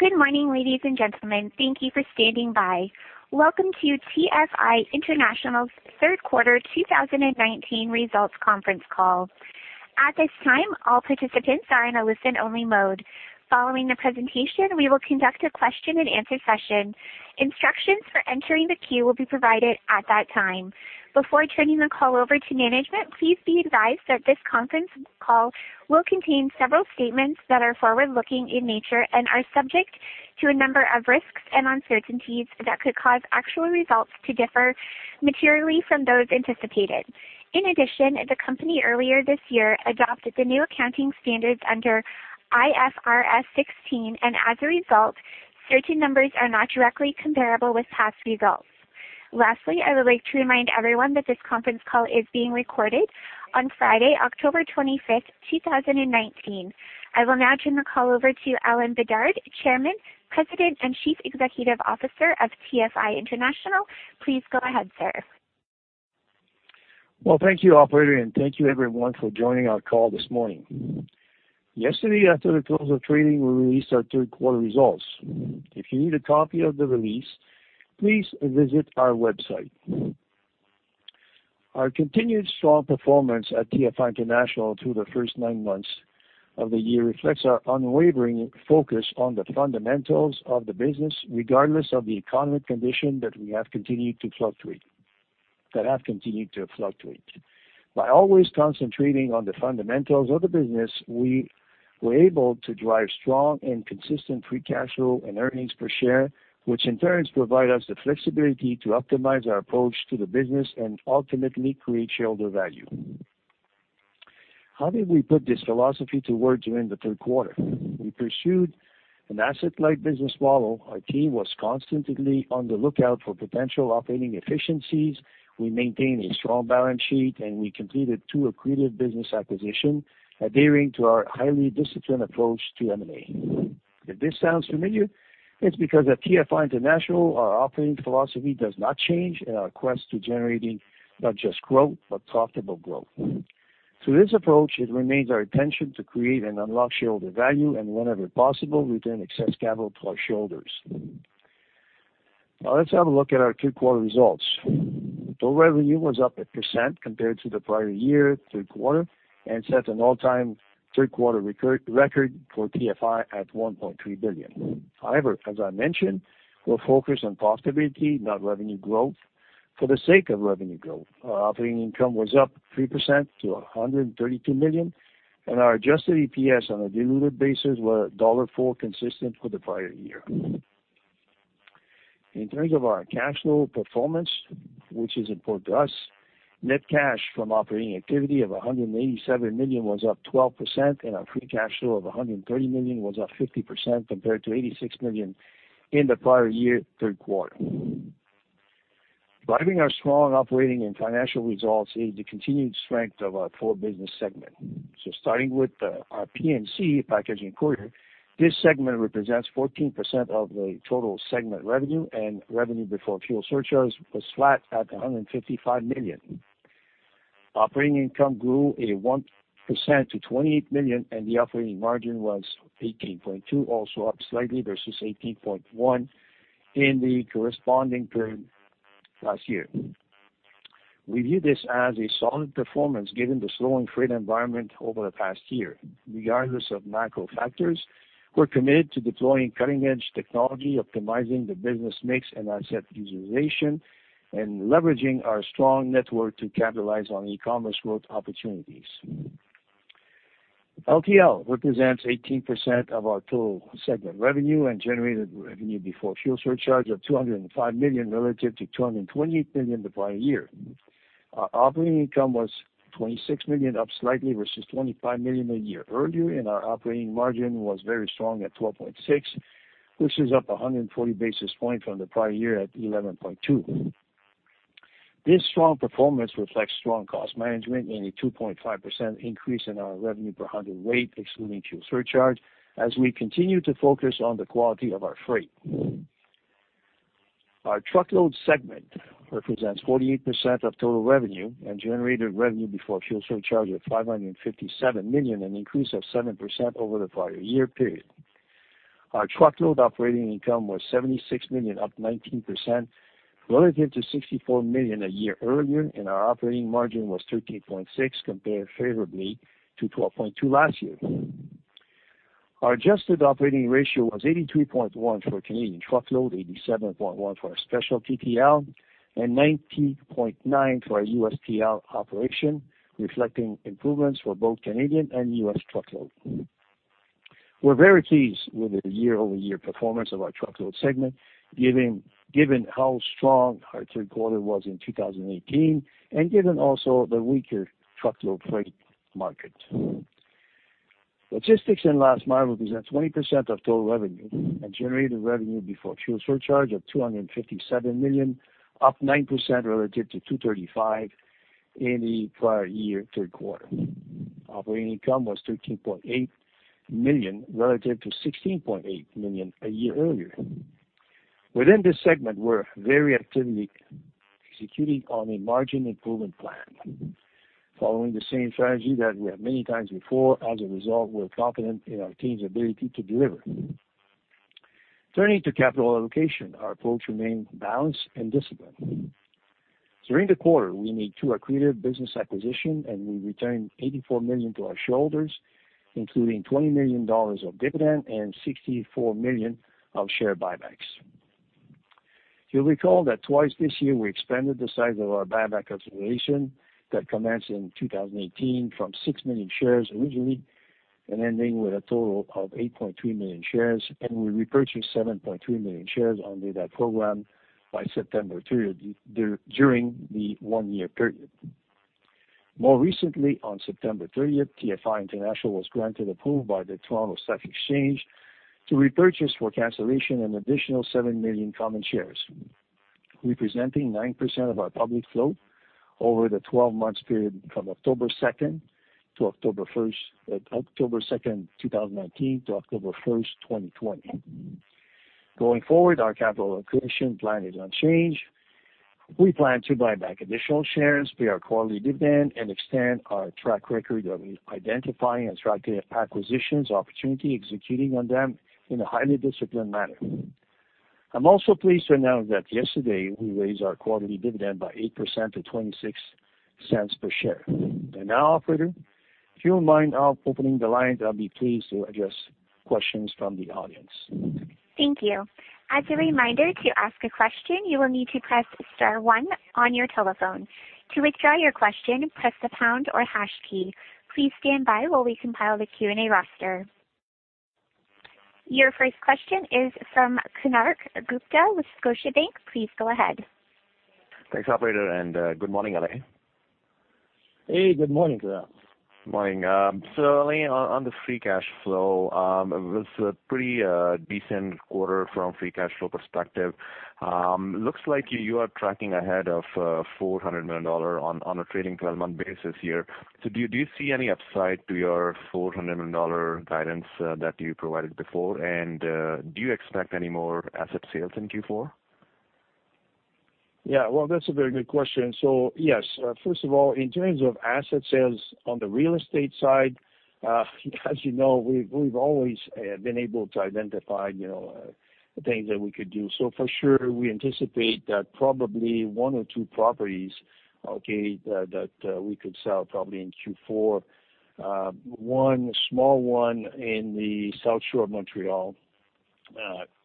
Good morning, ladies and gentlemen. Thank you for standing by. Welcome to TFI International's third quarter 2019 results conference call. At this time, all participants are in a listen-only mode. Following the presentation, we will conduct a question-and-answer session. Instructions for entering the queue will be provided at that time. Before turning the call over to management, please be advised that this conference call will contain several statements that are forward-looking in nature and are subject to a number of risks and uncertainties that could cause actual results to differ materially from those anticipated. In addition, the company earlier this year adopted the new accounting standards under IFRS 16, and as a result, certain numbers are not directly comparable with past results. Lastly, I would like to remind everyone that this conference call is being recorded on Friday, October 25th, 2019. I will now turn the call over to Alain Bédard, Chairman, President, and Chief Executive Officer of TFI International. Please go ahead, sir. Well, thank you, operator, and thank you, everyone, for joining our call this morning. Yesterday, after the close of trading, we released our third quarter results. If you need a copy of the release, please visit our website. Our continued strong performance at TFI International through the first nine months of the year reflects our unwavering focus on the fundamentals of the business, regardless of the economic condition that have continued to fluctuate. By always concentrating on the fundamentals of the business, we were able to drive strong and consistent free cash flow and earnings per share, which in turn provide us the flexibility to optimize our approach to the business and ultimately create shareholder value. How did we put this philosophy to work during the third quarter? We pursued an asset-light business model. Our team was constantly on the lookout for potential operating efficiencies. We maintained a strong balance sheet, and we completed two accretive business acquisitions, adhering to our highly disciplined approach to M&A. If this sounds familiar, it's because at TFI International, our operating philosophy does not change in our quest to generating not just growth, but profitable growth. Through this approach, it remains our intention to create and unlock shareholder value, and whenever possible, return excess capital to our shareholders. Let's have a look at our third quarter results. Total revenue was up 8% compared to the prior year third quarter and set an all-time third quarter record for TFI at 1.3 billion. As I mentioned, we're focused on profitability, not revenue growth for the sake of revenue growth. Our operating income was up 3% to 132 million, and our adjusted EPS on a diluted basis were dollar 1.4, consistent with the prior year. In terms of our cash flow performance, which is important to us, net cash from operating activity of 187 million was up 12%, and our free cash flow of 130 million was up 50% compared to 86 million in the prior year third quarter. Driving our strong operating and financial results is the continued strength of our four business segments. Starting with our P&C, packaging and courier, this segment represents 14% of the total segment revenue, and revenue before fuel surcharge was flat at 155 million. Operating income grew 1% to 28 million, and the operating margin was 18.2%, also up slightly versus 18.1% in the corresponding period last year. We view this as a solid performance given the slowing freight environment over the past year. Regardless of macro factors, we're committed to deploying cutting-edge technology, optimizing the business mix and asset utilization, and leveraging our strong network to capitalize on e-commerce growth opportunities. LTL represents 18% of our total segment revenue and generated revenue before fuel surcharge of 205 million relative to 228 million the prior year. Our operating income was 26 million, up slightly versus 25 million a year earlier, and our operating margin was very strong at 12.6%, which is up 140 basis points from the prior year at 11.2%. This strong performance reflects strong cost management and a 2.5% increase in our revenue per 100 weight, excluding fuel surcharge, as we continue to focus on the quality of our freight. Our Truckload segment represents 48% of total revenue and generated revenue before fuel surcharge of 557 million, an increase of 7% over the prior year period. Our truckload operating income was 76 million, up 19%, relative to 64 million a year earlier, and our operating margin was 13.6%, compared favorably to 12.2% last year. Our adjusted operating ratio was 83.1% for Canadian truckload, 87.1% for our special TTL, and 90.9% for our U.S. TL operation, reflecting improvements for both Canadian and U.S. truckload. We're very pleased with the year-over-year performance of our truckload segment, given how strong our third quarter was in 2018, and given also the weaker truckload freight market. Logistics and last mile represent 20% of total revenue and generated revenue before fuel surcharge of 257 million, up 9% relative to 235 in the prior year third quarter. Operating income was 13.8 million, relative to 16.8 million a year earlier. Within this segment, we're very actively executing on a margin improvement plan following the same strategy that we have many times before. As a result, we're confident in our team's ability to deliver. Turning to capital allocation, our approach remains balanced and disciplined. During the quarter, we made two accretive business acquisition, and we returned 84 million to our shareholders, including 20 million dollars of dividend and 64 million of share buybacks. You'll recall that twice this year we expanded the size of our buyback acceleration that commenced in 2018 from 6 million shares originally, and ending with a total of 8.3 million shares, and we repurchased 7.3 million shares under that program by September 30th, during the one-year period. More recently, on September 30th, TFI International was granted approval by the Toronto Stock Exchange to repurchase for cancellation an additional 7 million common shares, representing 9% of our public float over the 12-month period from October 2nd, 2019 to October 1st, 2020. Going forward, our capital allocation plan is unchanged. We plan to buy back additional shares, pay our quarterly dividend, and extend our track record of identifying accretive acquisitions opportunity executing on them in a highly disciplined manner. I'm also pleased to announce that yesterday we raised our quarterly dividend by 8% to 0.26 per share. Now operator, if you don't mind opening the lines, I'll be pleased to address questions from the audience. Thank you. As a reminder, to ask a question, you will need to press star one on your telephone. To withdraw your question, press the pound or hash key. Please stand by while we compile the Q&A roster. Your first question is from Konark Gupta with Scotiabank. Please go ahead. Thanks, operator. Good morning, Alain. Hey, good morning to you. Morning. Alain, on the free cash flow, it was a pretty decent quarter from free cash flow perspective. Looks like you are tracking ahead of 400 million dollar on a trailing 12-month basis here. Do you see any upside to your 400 million dollar guidance that you provided before? Do you expect any more asset sales in Q4? Yeah. Well, that's a very good question. Yes. First of all, in terms of asset sales on the real estate side, as you know, we've always been able to identify things that we could do. For sure, we anticipate that probably one or two properties, okay, that we could sell probably in Q4. One small one in the South Shore of Montreal.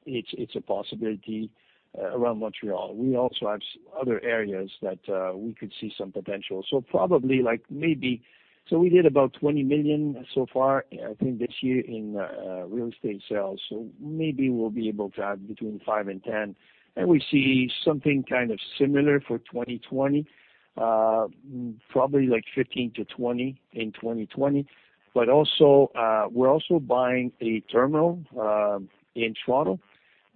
It's a possibility around Montreal. We also have other areas that we could see some potential. We did about 20 million so far, I think this year in real estate sales. Maybe we'll be able to add between 5 million and 10 million, and we see something kind of similar for 2020, probably like 15 million to 20 million in 2020. We're also buying a terminal, in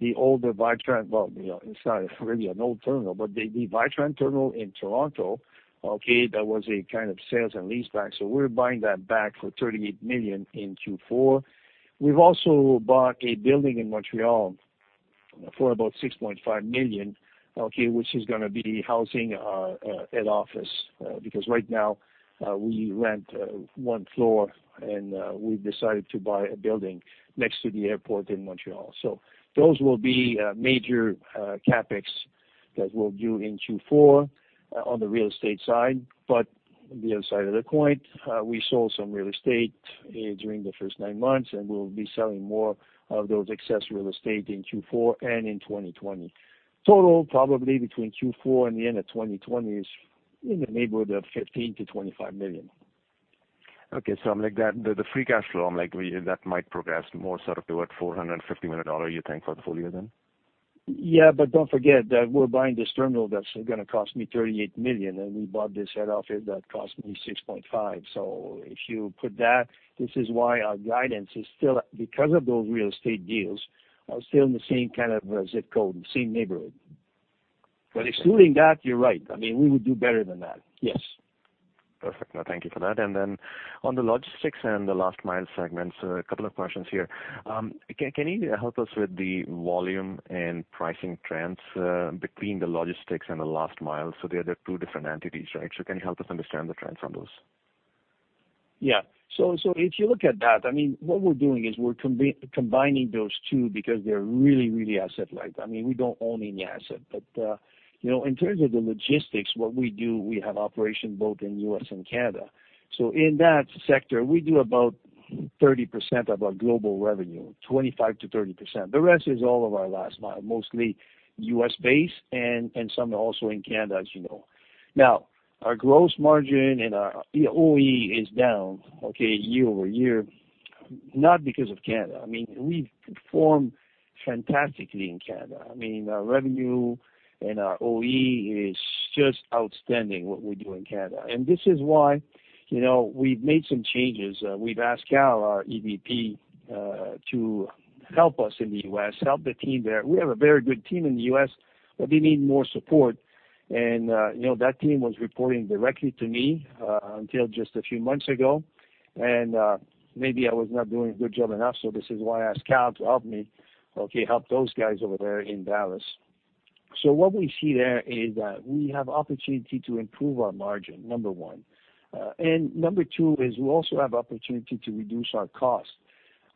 Toronto, the older Vitran Well, it's not really an old terminal, but the Vitran terminal in Toronto, okay, that was a kind of sales and leaseback. We're buying that back for 38 million in Q4. We've also bought a building in Montreal for about 6.5 million, okay, which is going to be housing our head office. Right now, we rent one floor and we've decided to buy a building next to the airport in Montreal. Those will be major CapEx that we'll do in Q4 on the real estate side. The other side of the coin, we sold some real estate during the first nine months, and we'll be selling more of those excess real estate in Q4 and in 2020. Total, probably between Q4 and the end of 2020 is in the neighborhood of 15 million-25 million. Okay. The free cash flow, that might progress more sort of toward 450 million dollar you think for the full year then? Yeah. Don't forget that we're buying this terminal that's going to cost me 38 million, and we bought this head office that cost me 6.5. If you put that, this is why our guidance is still because of those real estate deals, are still in the same kind of zip code, the same neighborhood. Excluding that, you're right. We would do better than that. Yes. Perfect. No, thank you for that. On the logistics and the last mile segments, a couple of questions here. Can you help us with the volume and pricing trends between the logistics and the last mile? They are the two different entities, right? Can you help us understand the trend from those? Yeah. If you look at that, what we're doing is we're combining those two because they're really asset-light. We don't own any asset. In terms of the logistics, what we do, we have operation both in U.S. and Canada. In that sector, we do about 30% of our global revenue, 25%-30%. The rest is all of our last mile, mostly U.S.-based and some also in Canada, as you know. Our gross margin and our OE is down, okay, year-over-year, not because of Canada. We've performed fantastically in Canada. Our revenue and our OE is just outstanding, what we do in Canada. This is why we've made some changes. We've asked Al, our EVP, to help us in the U.S., help the team there. We have a very good team in the U.S. We need more support. That team was reporting directly to me until just a few months ago, maybe I was not doing a good job enough, this is why I asked Kal to help me. Okay, help those guys over there in Dallas. What we see there is that we have opportunity to improve our margin, number one. Number two is we also have opportunity to reduce our cost.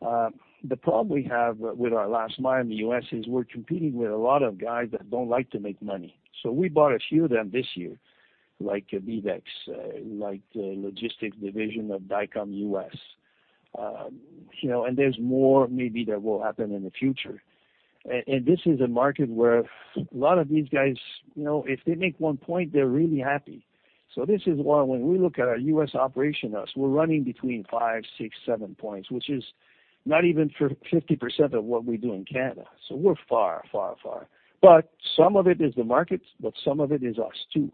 The problem we have with our last mile in the U.S. is we're competing with a lot of guys that don't like to make money. We bought a few of them this year, like BeavEx, like the logistics division of Dicom US. There's more maybe that will happen in the future. This is a market where a lot of these guys, if they make one point, they're really happy. This is why when we look at our U.S. operation, we're running between five, six, seven points, which is not even 50% of what we do in Canada. We're far, far, far. Some of it is the market, but some of it is us too.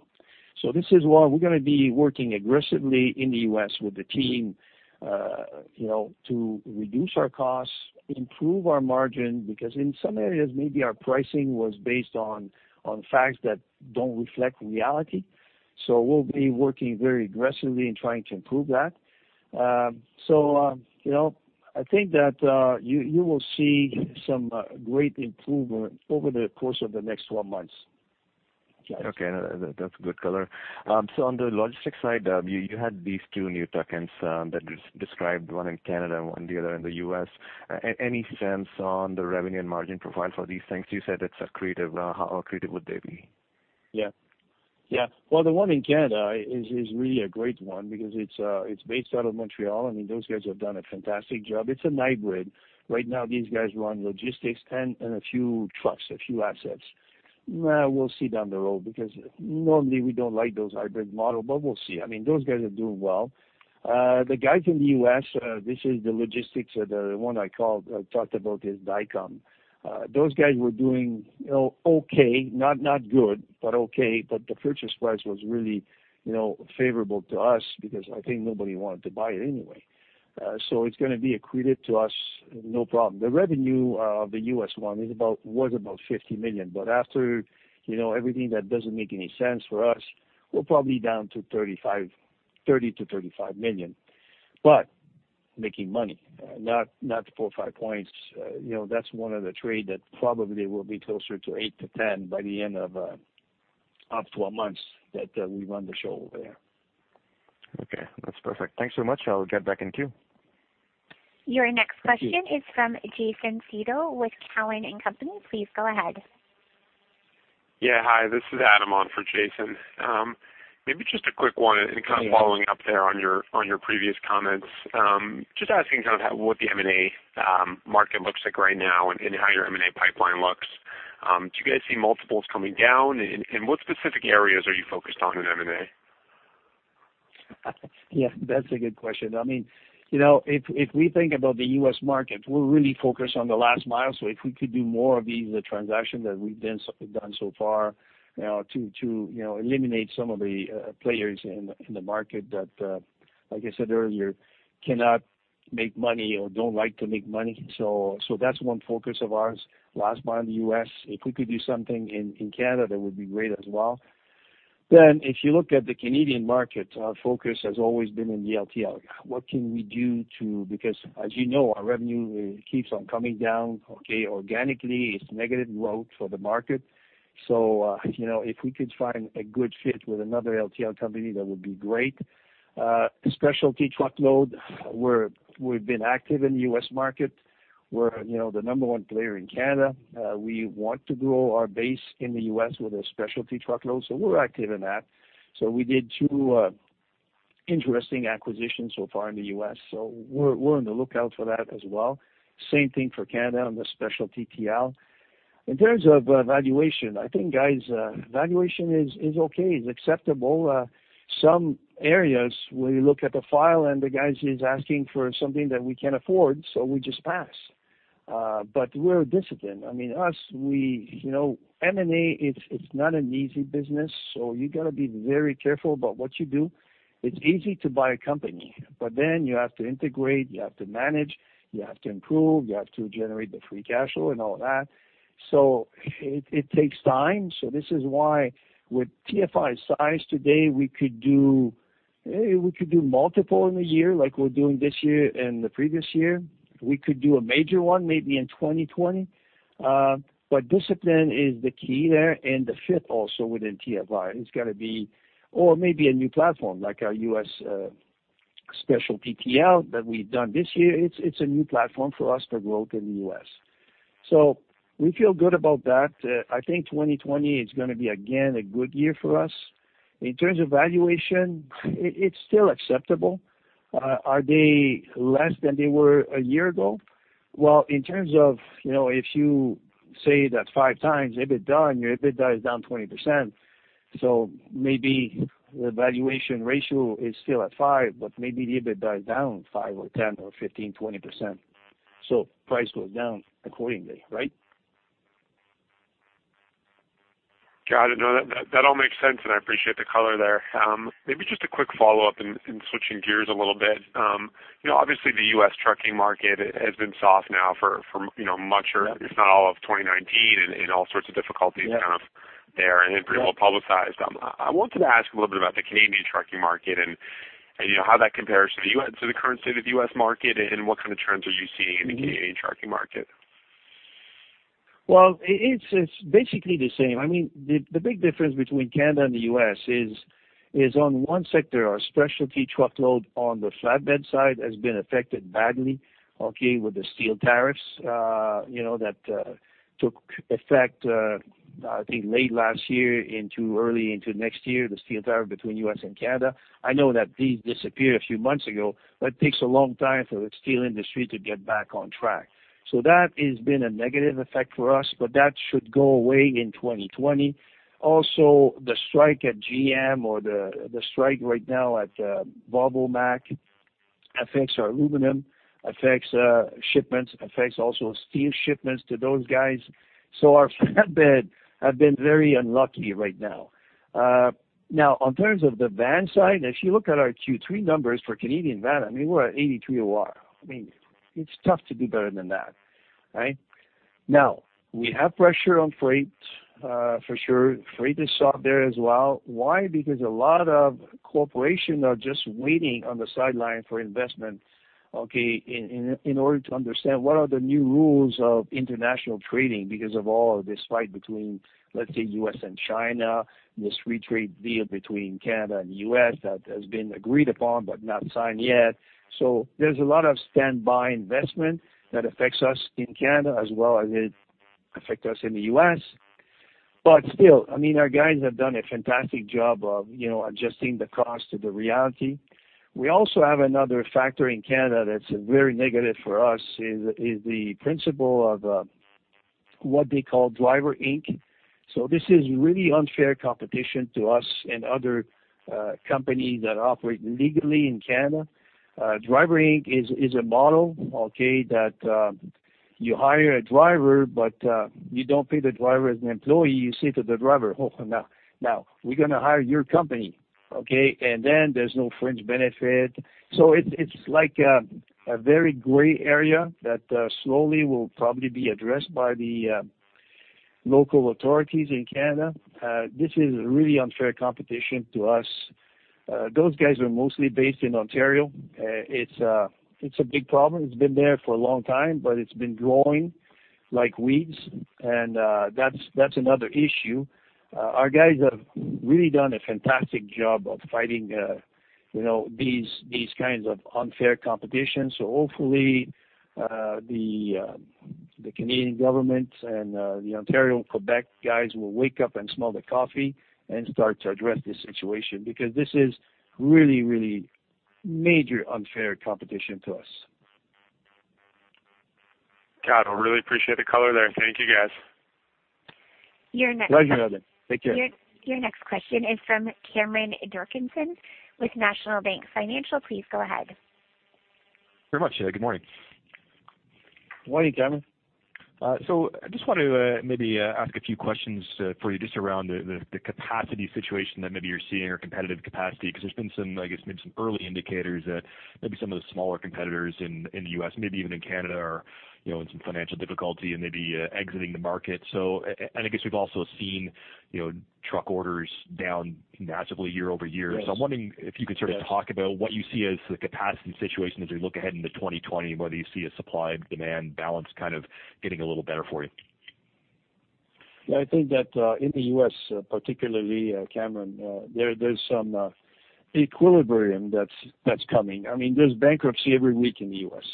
This is why we're going to be working aggressively in the U.S. with the team, to reduce our costs, improve our margin, because in some areas, maybe our pricing was based on facts that don't reflect reality. We'll be working very aggressively in trying to improve that. I think that you will see some great improvement over the course of the next 12 months. Okay. That's good color. On the logistics side, you had these two new tuck-ins that you described, one in Canada and the other in the U.S. Any sense on the revenue and margin profile for these things? You said it's accretive. How accretive would they be? Yeah. Well, the one in Canada is really a great one because it's based out of Montreal. I mean, those guys have done a fantastic job. It's a hybrid. Right now, these guys run logistics and a few trucks, a few assets. We'll see down the road because normally we don't like those hybrid model, but we'll see. I mean, those guys are doing well. The guys in the U.S., this is the logistics, the one I talked about is Dicom. Those guys were doing okay, not good, but okay, but the purchase price was really favorable to us because I think nobody wanted to buy it anyway. It's going to be accretive to us no problem. The revenue of the U.S. one was about 50 million. After everything that doesn't make any sense for us, we're probably down to 30 million-35 million, but making money. Not four or five points. That's one of the trade that probably will be closer to 8-10 by the end of 12 months that we run the show over there. Okay. That's perfect. Thanks so much. I'll get back in queue. Your next question is from Jason Seidl with Cowen and Company. Please go ahead. Hi, this is Adam for Jason. Maybe just a quick one and kind of following up there on your previous comments. Just asking kind of what the M&A market looks like right now and how your M&A pipeline looks. Do you guys see multiples coming down? What specific areas are you focused on in M&A? Yes, that's a good question. If we think about the U.S. market, we're really focused on the last mile. If we could do more of these transactions that we've done so far to eliminate some of the players in the market that, like I said earlier, cannot make money or do not like to make money. That's one focus of ours, last mile in the U.S. If we could do something in Canada, it would be great as well. If you look at the Canadian market, our focus has always been in the LTL. What can we do to. Because as you know, our revenue keeps on coming down organically. It's negative growth for the market. If we could find a good fit with another LTL company, that would be great. Specialty truckload, we've been active in the U.S. market. We're the number one player in Canada. We want to grow our base in the U.S. with a specialty truckload, so we're active in that. We did two interesting acquisitions so far in the U.S. We're on the lookout for that as well. Same thing for Canada and the specialty TL. In terms of valuation, I think guys, valuation is okay. It's acceptable. Some areas where you look at the file and the guy is asking for something that we can't afford, so we just pass. We're disciplined. I mean, us, M&A it's not an easy business, so you got to be very careful about what you do. It's easy to buy a company, but then you have to integrate, you have to manage, you have to improve, you have to generate the free cash flow and all that. It takes time. This is why with TFI size today, we could do multiple in a year like we're doing this year and the previous year. We could do a major one maybe in 2020. Discipline is the key there and the fit also within TFI. Maybe a new platform like our U.S. specialty TL that we've done this year. It's a new platform for us for growth in the U.S. We feel good about that. I think 2020 is going to be again a good year for us. In terms of valuation, it's still acceptable. Are they less than they were a year ago? Well, in terms of, if you say that 5 times EBITDA and your EBITDA is down 20%, maybe the valuation ratio is still at 5, maybe the EBITDA is down 5% or 10% or 15%, 20%. Price goes down accordingly, right? Got it. No, that all makes sense, and I appreciate the color there. Maybe just a quick follow-up and switching gears a little bit. Obviously, the U.S. trucking market has been soft now for much or if not all of 2019 and all sorts of difficulties. Yeah. there and pretty well-publicized. I wanted to ask a little bit about the Canadian trucking market and how that compares to the current state of the U.S. market, and what kind of trends are you seeing in the Canadian trucking market? Well, it's basically the same. The big difference between Canada and the U.S. is on one sector, our specialty truckload on the flatbed side has been affected badly, okay, with the steel tariffs that took effect, I think, late last year into early into next year, the steel tariff between U.S. and Canada. I know that these disappeared a few months ago, it takes a long time for the steel industry to get back on track. That has been a negative effect for us, but that should go away in 2020. Also, the strike at GM or the strike right now at Volvo and Mack affects our aluminum, affects shipments, affects also steel shipments to those guys. Our flatbed have been very unlucky right now. Now, in terms of the van side, if you look at our Q3 numbers for Canadian van, we're at 83 OR. It's tough to do better than that, right? Now, we have pressure on freight, for sure. Freight is soft there as well. Why? Because a lot of corporations are just waiting on the sideline for investment, okay, in order to understand what are the new rules of international trading because of all this fight between, let's say, U.S. and China, this free trade deal between Canada and the U.S. that has been agreed upon but not signed yet. There's a lot of standby investment that affects us in Canada as well as it affect us in the U.S. Still, our guys have done a fantastic job of adjusting the cost to the reality. We also have another factor in Canada that's very negative for us, is the principle of what they call Driver Inc. This is really unfair competition to us and other companies that operate legally in Canada. Driver Inc. is a model, okay? You hire a driver, but you don't pay the driver as an employee. You say to the driver, "Oh, now we're going to hire your company." Okay? There's no fringe benefit. It's like a very gray area that slowly will probably be addressed by the local authorities in Canada. This is really unfair competition to us. Those guys are mostly based in Ontario. It's a big problem. It's been there for a long time, but it's been growing like weeds. That's another issue. Our guys have really done a fantastic job of fighting these kinds of unfair competition. Hopefully, the Canadian government and the Ontario and Quebec guys will wake up and smell the coffee and start to address this situation because this is really major unfair competition to us. Got it. Well, really appreciate the color there. Thank you, guys. Pleasure, Adam. Take care. Your next question is from Cameron Doerksen with National Bank Financial. Please go ahead. Very much. Good morning. Morning, Cameron. I just want to maybe ask a few questions for you just around the capacity situation that maybe you're seeing or competitive capacity, because there's been some, I guess, maybe some early indicators that maybe some of the smaller competitors in the U.S., maybe even in Canada, are in some financial difficulty and maybe exiting the market. I guess we've also seen truck orders down massively year-over-year. Yes. I'm wondering if you could sort of talk about what you see as the capacity situation as we look ahead into 2020, whether you see a supply and demand balance kind of getting a little better for you. Yeah, I think that in the U.S. particularly, Cameron, there's some equilibrium that's coming. There's bankruptcy every week in the U.S.,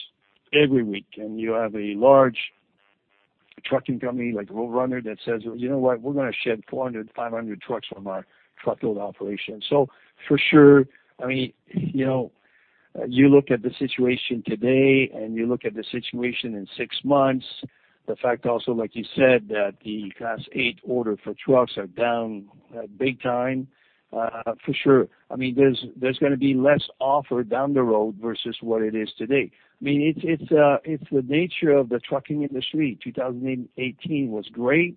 every week. You have a large trucking company like Roadrunner that says, "You know what? We're going to shed 400 to 500 trucks from our truckload operation." For sure, you look at the situation today, and you look at the situation in six months. The fact also, like you said, that the Class 8 order for trucks are down big time. For sure. There's going to be less offer down the road versus what it is today. It's the nature of the trucking industry. 2018 was great.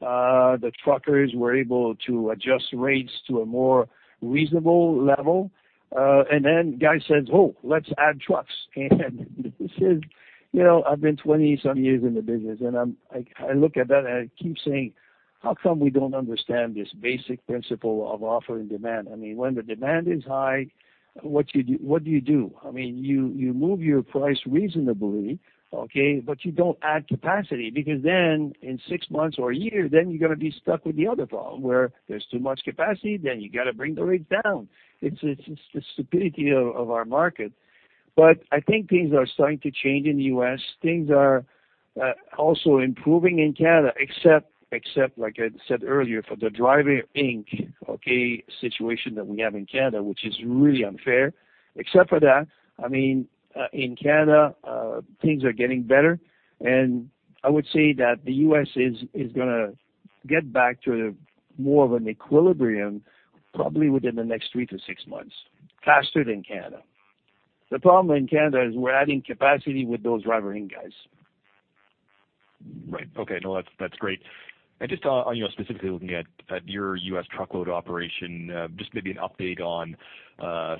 The truckers were able to adjust rates to a more reasonable level. Guy says, "Oh, let's add trucks." This is I've been 20-some years in the business, and I look at that, and I keep saying, "How come we don't understand this basic principle of offer and demand?" When the demand is high, what do you do? You move your price reasonably, okay? You don't add capacity because then in 6 months or a year, then you're gonna be stuck with the other problem where there's too much capacity, then you got to bring the rates down. It's the stupidity of our market. I think things are starting to change in the U.S. Things are also improving in Canada, except like I said earlier, for the Driver Inc., okay, situation that we have in Canada, which is really unfair. Except for that, in Canada, things are getting better, and I would say that the U.S. is gonna get back to more of an equilibrium probably within the next three to six months, faster than Canada. The problem in Canada is we're adding capacity with those Driver Inc. guys. Right. Okay. No, that's great. Just on specifically looking at your U.S. Truckload operation, just maybe an update on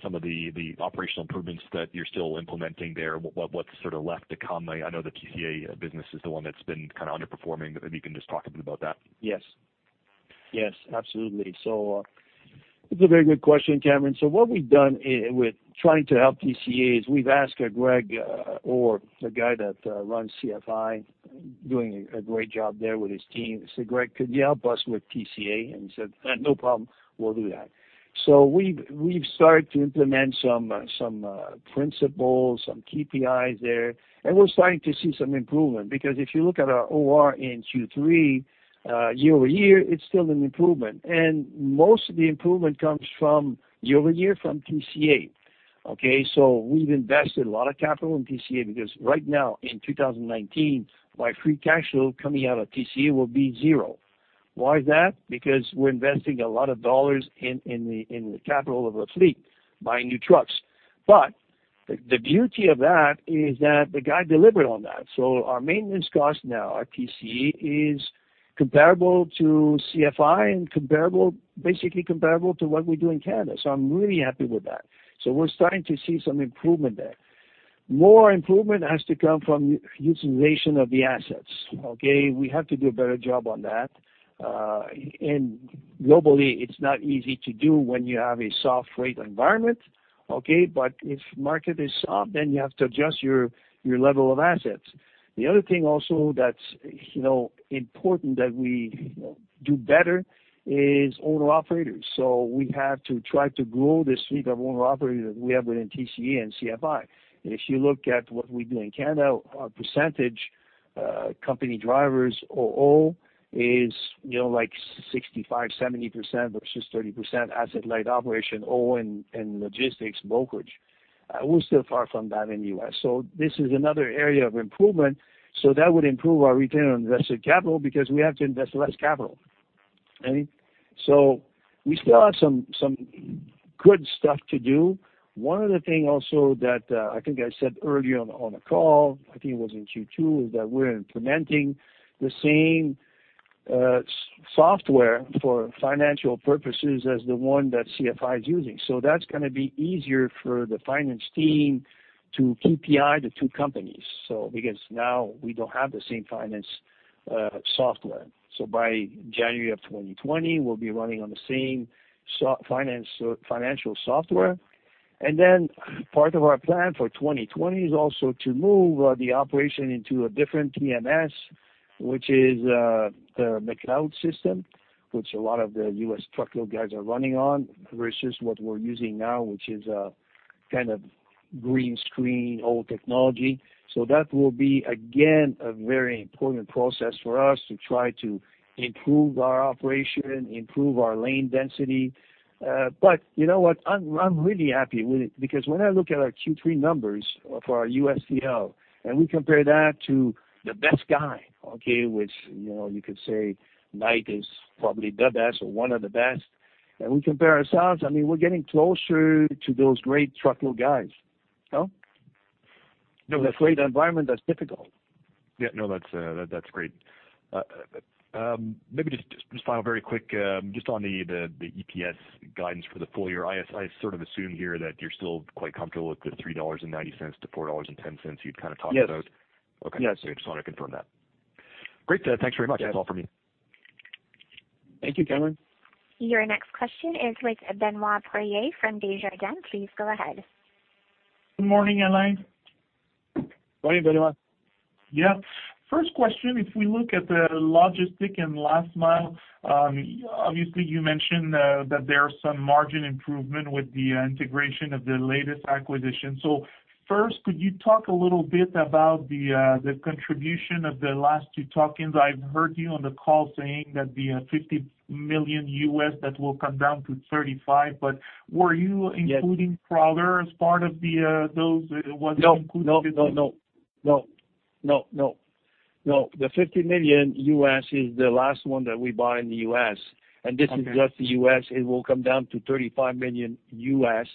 some of the operational improvements that you're still implementing there, what's left to come? I know the TCA business is the one that's been underperforming. Maybe you can just talk a bit about that. Yes. Absolutely. It's a very good question, Cameron. What we've done in with trying to help TCA is we've asked Greg Orr, the guy that runs CFI, doing a great job there with his team. I said, "Greg, could you help us with TCA?" He said, "No problem. We'll do that." We've started to implement some principles, some KPIs there, and we're starting to see some improvement because if you look at our OR in Q3 year-over-year, it's still an improvement. Most of the improvement comes from year-over-year from TCA. Okay, we've invested a lot of capital in TCA because right now in 2019, my free cash flow coming out of TCA will be 0. Why is that? Because we're investing a lot of CAD in the capital of our fleet, buying new trucks. The beauty of that is that the guy delivered on that. Our maintenance cost now at TCA is comparable to CFI and basically comparable to what we do in Canada. I'm really happy with that. We're starting to see some improvement there. More improvement has to come from utilization of the assets. We have to do a better job on that. Globally, it's not easy to do when you have a soft rate environment. If market is soft, then you have to adjust your level of assets. The other thing also that's important that we do better is owner-operators. We have to try to grow this fleet of owner-operators that we have within TCA and CFI. If you look at what we do in Canada, our percentage company drivers O/O is like 65%-70% versus 30% asset-light operation and logistics brokerage. We're still far from that in U.S. This is another area of improvement, that would improve our return on invested capital because we have to invest less capital. We still have some good stuff to do. One other thing also that I think I said earlier on the call, I think it was in Q2, is that we're implementing the same software for financial purposes as the one that CFI is using. That's going to be easier for the finance team to KPI the two companies. Because now we don't have the same finance software. By January of 2020, we'll be running on the same financial software. Part of our plan for 2020 is also to move the operation into a different TMS, which is the McLeod system, which a lot of the US truckload guys are running on versus what we're using now, which is a kind of green screen old technology. That will be, again, a very important process for us to try to improve our operation, improve our lane density. You know what? I'm really happy with it because when I look at our Q3 numbers for our US TL, and we compare that to the best guy, okay, which you could say Knight is probably the best or one of the best, and we compare ourselves, I mean, we're getting closer to those great truckload guys. In a freight environment, that's difficult. No, that's great. Maybe just final, very quick, just on the EPS guidance for the full year. I sort of assume here that you're still quite comfortable with the 3.90-4.10 dollars you'd kind of talked about. Yes. Okay. Just want to confirm that. Great. Thanks very much. That's all for me. Thank you, Cameron. Your next question is with Benoit Poirier from Desjardins. Please go ahead. Good morning, Alain. Morning, Benoit. Yeah. First question, if we look at the logistics and last mile, obviously you mentioned, that there are some margin improvement with the integration of the latest acquisition. First, could you talk a little bit about the contribution of the last two tuck-ins? I've heard you on the call saying that the $50 million, that will come down to $35, but were you including Prowler as part of those, what's included? No. The $50 million U.S. is the last one that we buy in the U.S. This is just the U.S. It will come down to $35 million U.S.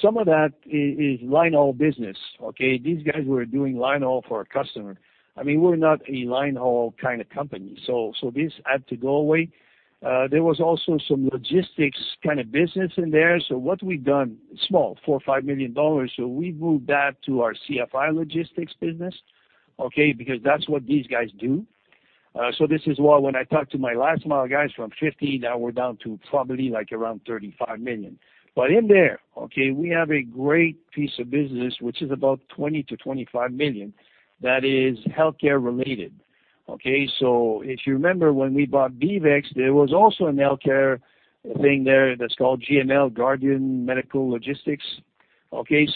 Some of that is line haul business, okay? These guys were doing line haul for a customer. I mean, we're not a line haul kind of company. This had to go away. There was also some logistics kind of business in there. What we've done, small, $4 million-$5 million, we moved that to our CFI Logistics business, okay, because that's what these guys do. This is why when I talk to my last mile guys from $50 million, now we're down to probably like around $35 million. In there, okay, we have a great piece of business, which is about $20 million-$25 million, that is healthcare related, okay? If you remember when we bought BeavEx, there was also an healthcare thing there that's called GML, Guardian Medical Logistics, okay?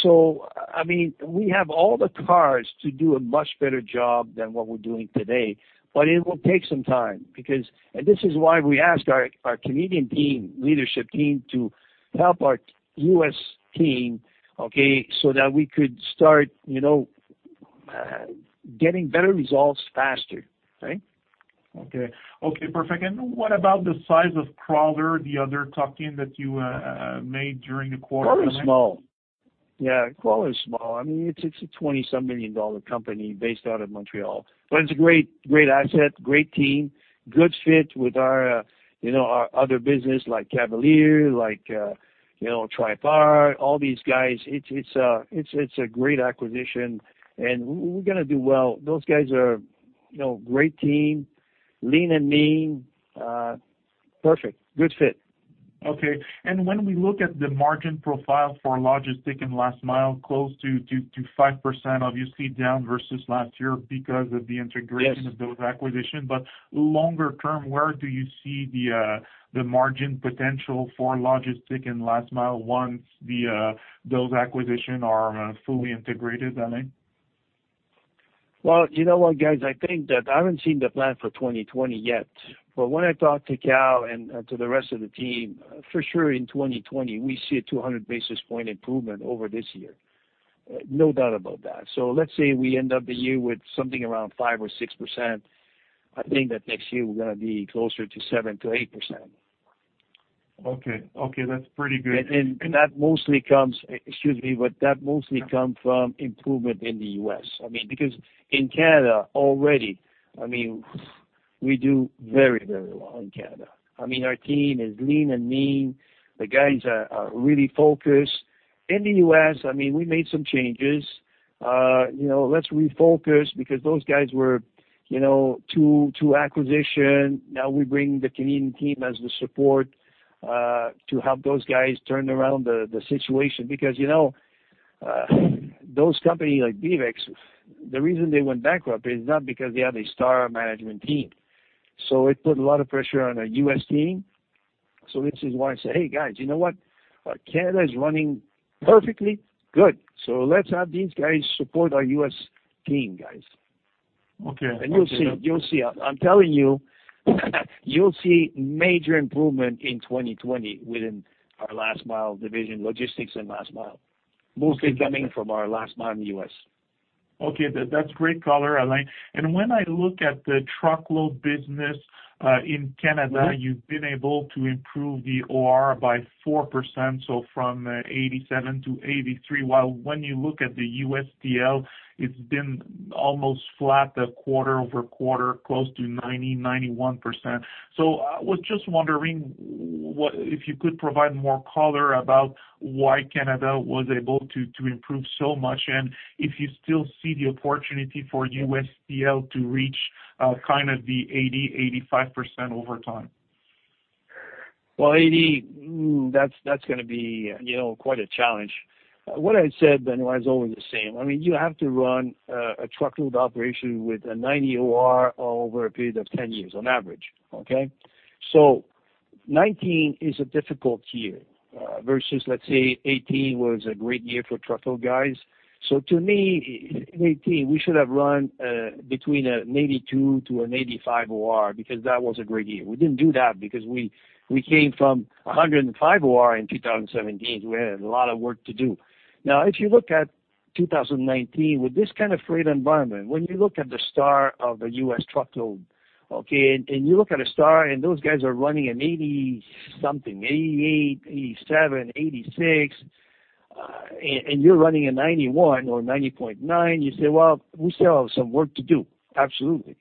I mean, we have all the cars to do a much better job than what we're doing today, but it will take some time because this is why we asked our Canadian team, leadership team, to help our U.S. team, okay, so that we could start getting better results faster. Okay, perfect. What about the size of Prowler, the other tuck-in that you made during the quarter, Alain? Prowler is small. Yeah, Prowler is small. It's a 27 million dollar company based out of Montreal. It's a great asset, great team, good fit with our other business like Cavalier, like Tripar, all these guys. It's a great acquisition. We're going to do well. Those guys are great team, lean and mean. Perfect. Good fit. Okay. When we look at the margin profile for logistic and last mile, close to 5%, obviously down versus last year because of the integration. Yes of those acquisitions. Longer term, where do you see the margin potential for logistic and last mile once those acquisitions are fully integrated, Alain? Well, you know what, guys? I think that I haven't seen the plan for 2020 yet, but when I talk to Kal and to the rest of the team, for sure in 2020, we see a 200 basis point improvement over this year. No doubt about that. Let's say we end up the year with something around 5% or 6%. I think that next year we're going to be closer to 7%-8%. Okay. That's pretty good. That mostly comes, excuse me, that mostly come from improvement in the U.S. In Canada already, we do very well in Canada. Our team is lean and mean. The guys are really focused. In the U.S., we made some changes. Let's refocus because those guys were too acquisition. We bring the Canadian team as the support, to help those guys turn around the situation. Those company like BeavEx, the reason they went bankrupt is not because they have a star management team. It put a lot of pressure on our U.S. team. This is why I say, "Hey, guys, you know what. Canada is running perfectly good. Let's have these guys support our U.S. team, guys. Okay. You'll see. I'm telling you'll see major improvement in 2020 within our last mile division, logistics and last mile, mostly coming from our last mile in the U.S. Okay. That's great color, Alain. When I look at the truckload business, in Canada. you've been able to improve the OR by 4%, so from 87 to 83, while when you look at the US TL, it's been almost flat a quarter-over-quarter, close to 90%-91%. I was just wondering if you could provide more color about why Canada was able to improve so much, and if you still see the opportunity for US TL to reach kind of the 80%-85% over time. Well, 80, that's going to be quite a challenge. What I said, Benoit, is always the same. You have to run a truckload operation with a 90 OR over a period of 10 years on average. Okay? 2019 is a difficult year, versus, let's say 2018 was a great year for truckload guys. To me, 2018, we should have run between an 82 OR to an 85 OR because that was a great year. We didn't do that because we came from 105 OR in 2017. We had a lot of work to do. If you look at 2019, with this kind of freight environment, when you look at the Knight of the U.S. truckload, okay, and you look at a Knight and those guys are running an 80 something, 88, 87, 86, and you're running a 91 or 90.9, you say, "Well, we still have some work to do." Absolutely.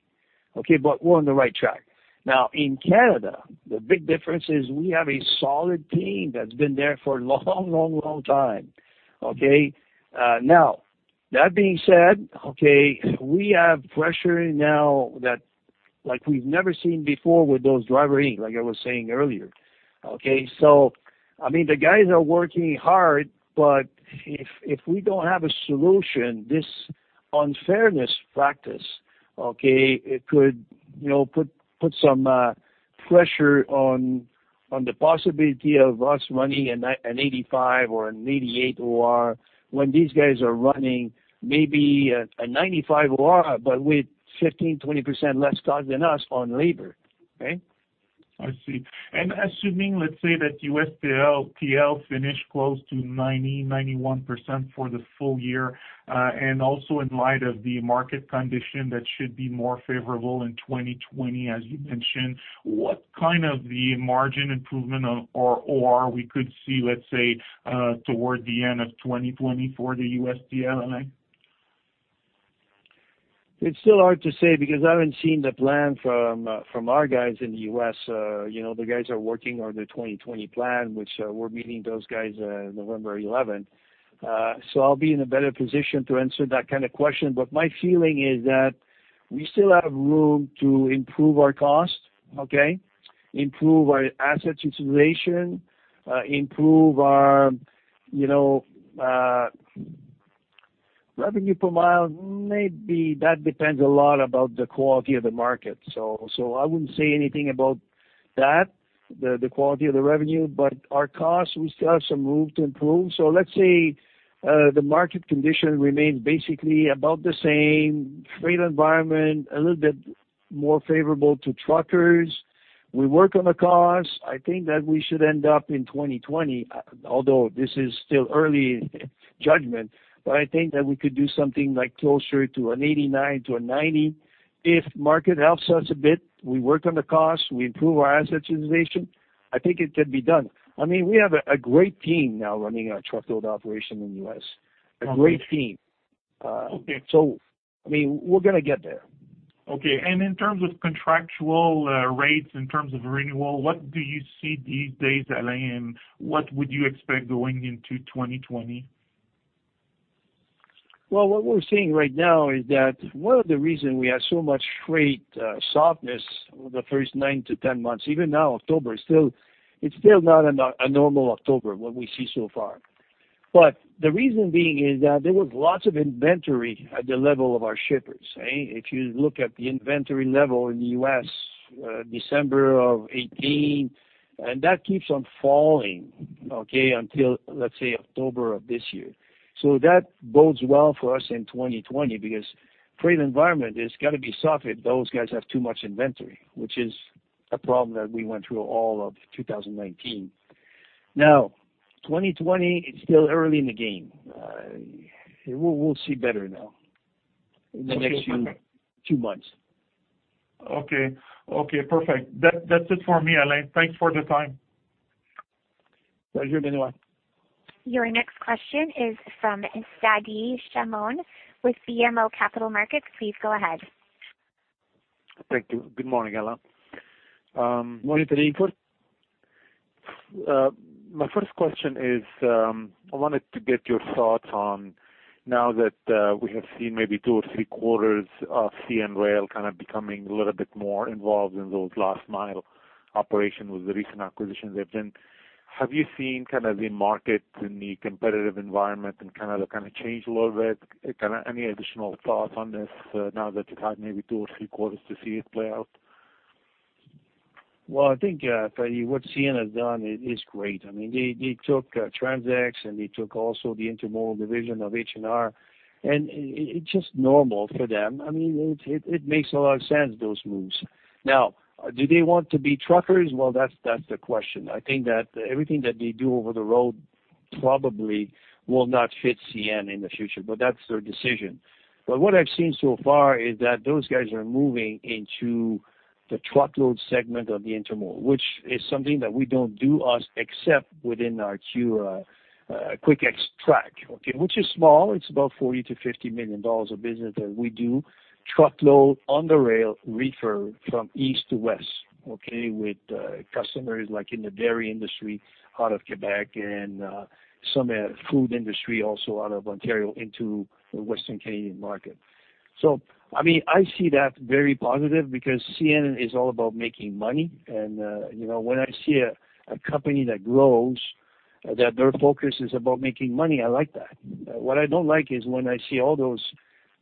Okay? We're on the right track. In Canada, the big difference is we have a solid team that's been there for a long time. Okay? That being said, okay, we have pressure now that, like we've never seen before with those Driver Inc., like I was saying earlier. Okay? The guys are working hard, but if we don't have a solution, this unfairness practice, okay, it could put some pressure on the possibility of us running an 85 or an 88 OR when these guys are running maybe a 95 OR, but with 15, 20% less cost than us on labor. Okay? I see. Assuming, let's say that US TL finished close to 90%-91% for the full year, and also in light of the market condition that should be more favorable in 2020, as you mentioned, what kind of the margin improvement or OR we could see, let's say, toward the end of 2020 for the US TL, Alain? It's still hard to say because I haven't seen the plan from our guys in the U.S. The guys are working on their 2020 plan, which, we're meeting those guys, November 11th. I'll be in a better position to answer that kind of question. My feeling is that we still have room to improve our cost, okay, improve our asset utilization, improve our revenue per mile. Maybe that depends a lot about the quality of the market. I wouldn't say anything about that, the quality of the revenue, but our cost, we still have some room to improve. Let's say, the market condition remains basically about the same, freight environment a little bit more favorable to truckers. We work on the cost. I think that we should end up in 2020, although this is still early judgment, I think that we could do something like closer to an 89-90. If market helps us a bit, we work on the cost, we improve our asset utilization, I think it can be done. We have a great team now running our truckload operation in the U.S. A great team. Okay. We're going to get there. Okay. In terms of contractual rates, in terms of renewal, what do you see these days, Alain, and what would you expect going into 2020? What we're seeing right now is that one of the reason we had so much freight softness over the first 9 to 10 months, even now, October, it's still not a normal October, what we see so far. The reason being is that there was lots of inventory at the level of our shippers. If you look at the inventory level in the U.S., December of 2018, and that keeps on falling, okay, until, let's say, October of this year. That bodes well for us in 2020, because freight environment is going to be soft if those guys have too much inventory, which is a problem that we went through all of 2019. 2020, it's still early in the game. We'll see better now. Next year. in the next two months. Okay. Perfect. That's it for me, Alain. Thanks for the time. Thank you, Benoit. Your next question is from Fadi Chamoun with BMO Capital Markets. Please go ahead. Thank you. Good morning, Alain. Morning, Fadi. My first question is, I wanted to get your thoughts on now that we have seen maybe two or three quarters of CN Rail kind of becoming a little bit more involved in those last mile operation with the recent acquisitions they've done. Have you seen the market and the competitive environment change a little bit? Any additional thoughts on this now that you've had maybe two or three quarters to see it play out? I think, Fadi, what CN has done is great. They took TransX, and they took also the intermodal division of H&R, and it's just normal for them. It makes a lot of sense, those moves. Do they want to be truckers? That's the question. I think that everything that they do over the road probably will not fit CN in the future, but that's their decision. What I've seen so far is that those guys are moving into the truckload segment of the intermodal, which is something that we don't do us except within our Quik X track, okay, which is small. It's about 40 million-50 million dollars of business that we do. Truckload on the rail reefer from east to west, okay, with customers like in the dairy industry out of Quebec and some food industry also out of Ontario into the Western Canadian market. I see that very positive because CN is all about making money, and when I see a company that grows, that their focus is about making money, I like that. What I don't like is when I see all those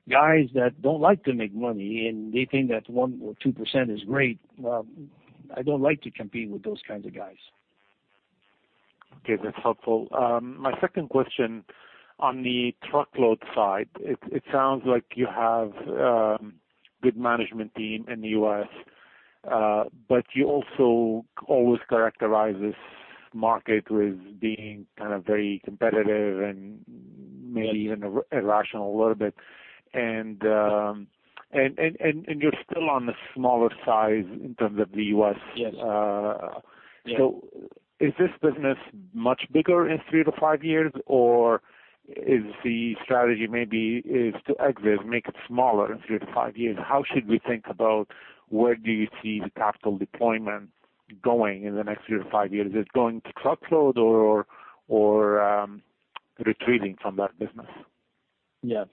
guys that don't like to make money, and they think that 1% or 2% is great. Well, I don't like to compete with those kinds of guys. Okay. That's helpful. My second question, on the truckload side, it sounds like you have good management team in the U.S., but you also always characterize this market with being very competitive and maybe even irrational a little bit, and you're still on the smaller size in terms of the U.S. Yes. Is this business much bigger in three to five years, or is the strategy maybe is to exit, make it smaller in three to five years? How should we think about where do you see the capital deployment going in the next three to five years? Is it going to Truckload or retreating from that business? Yes.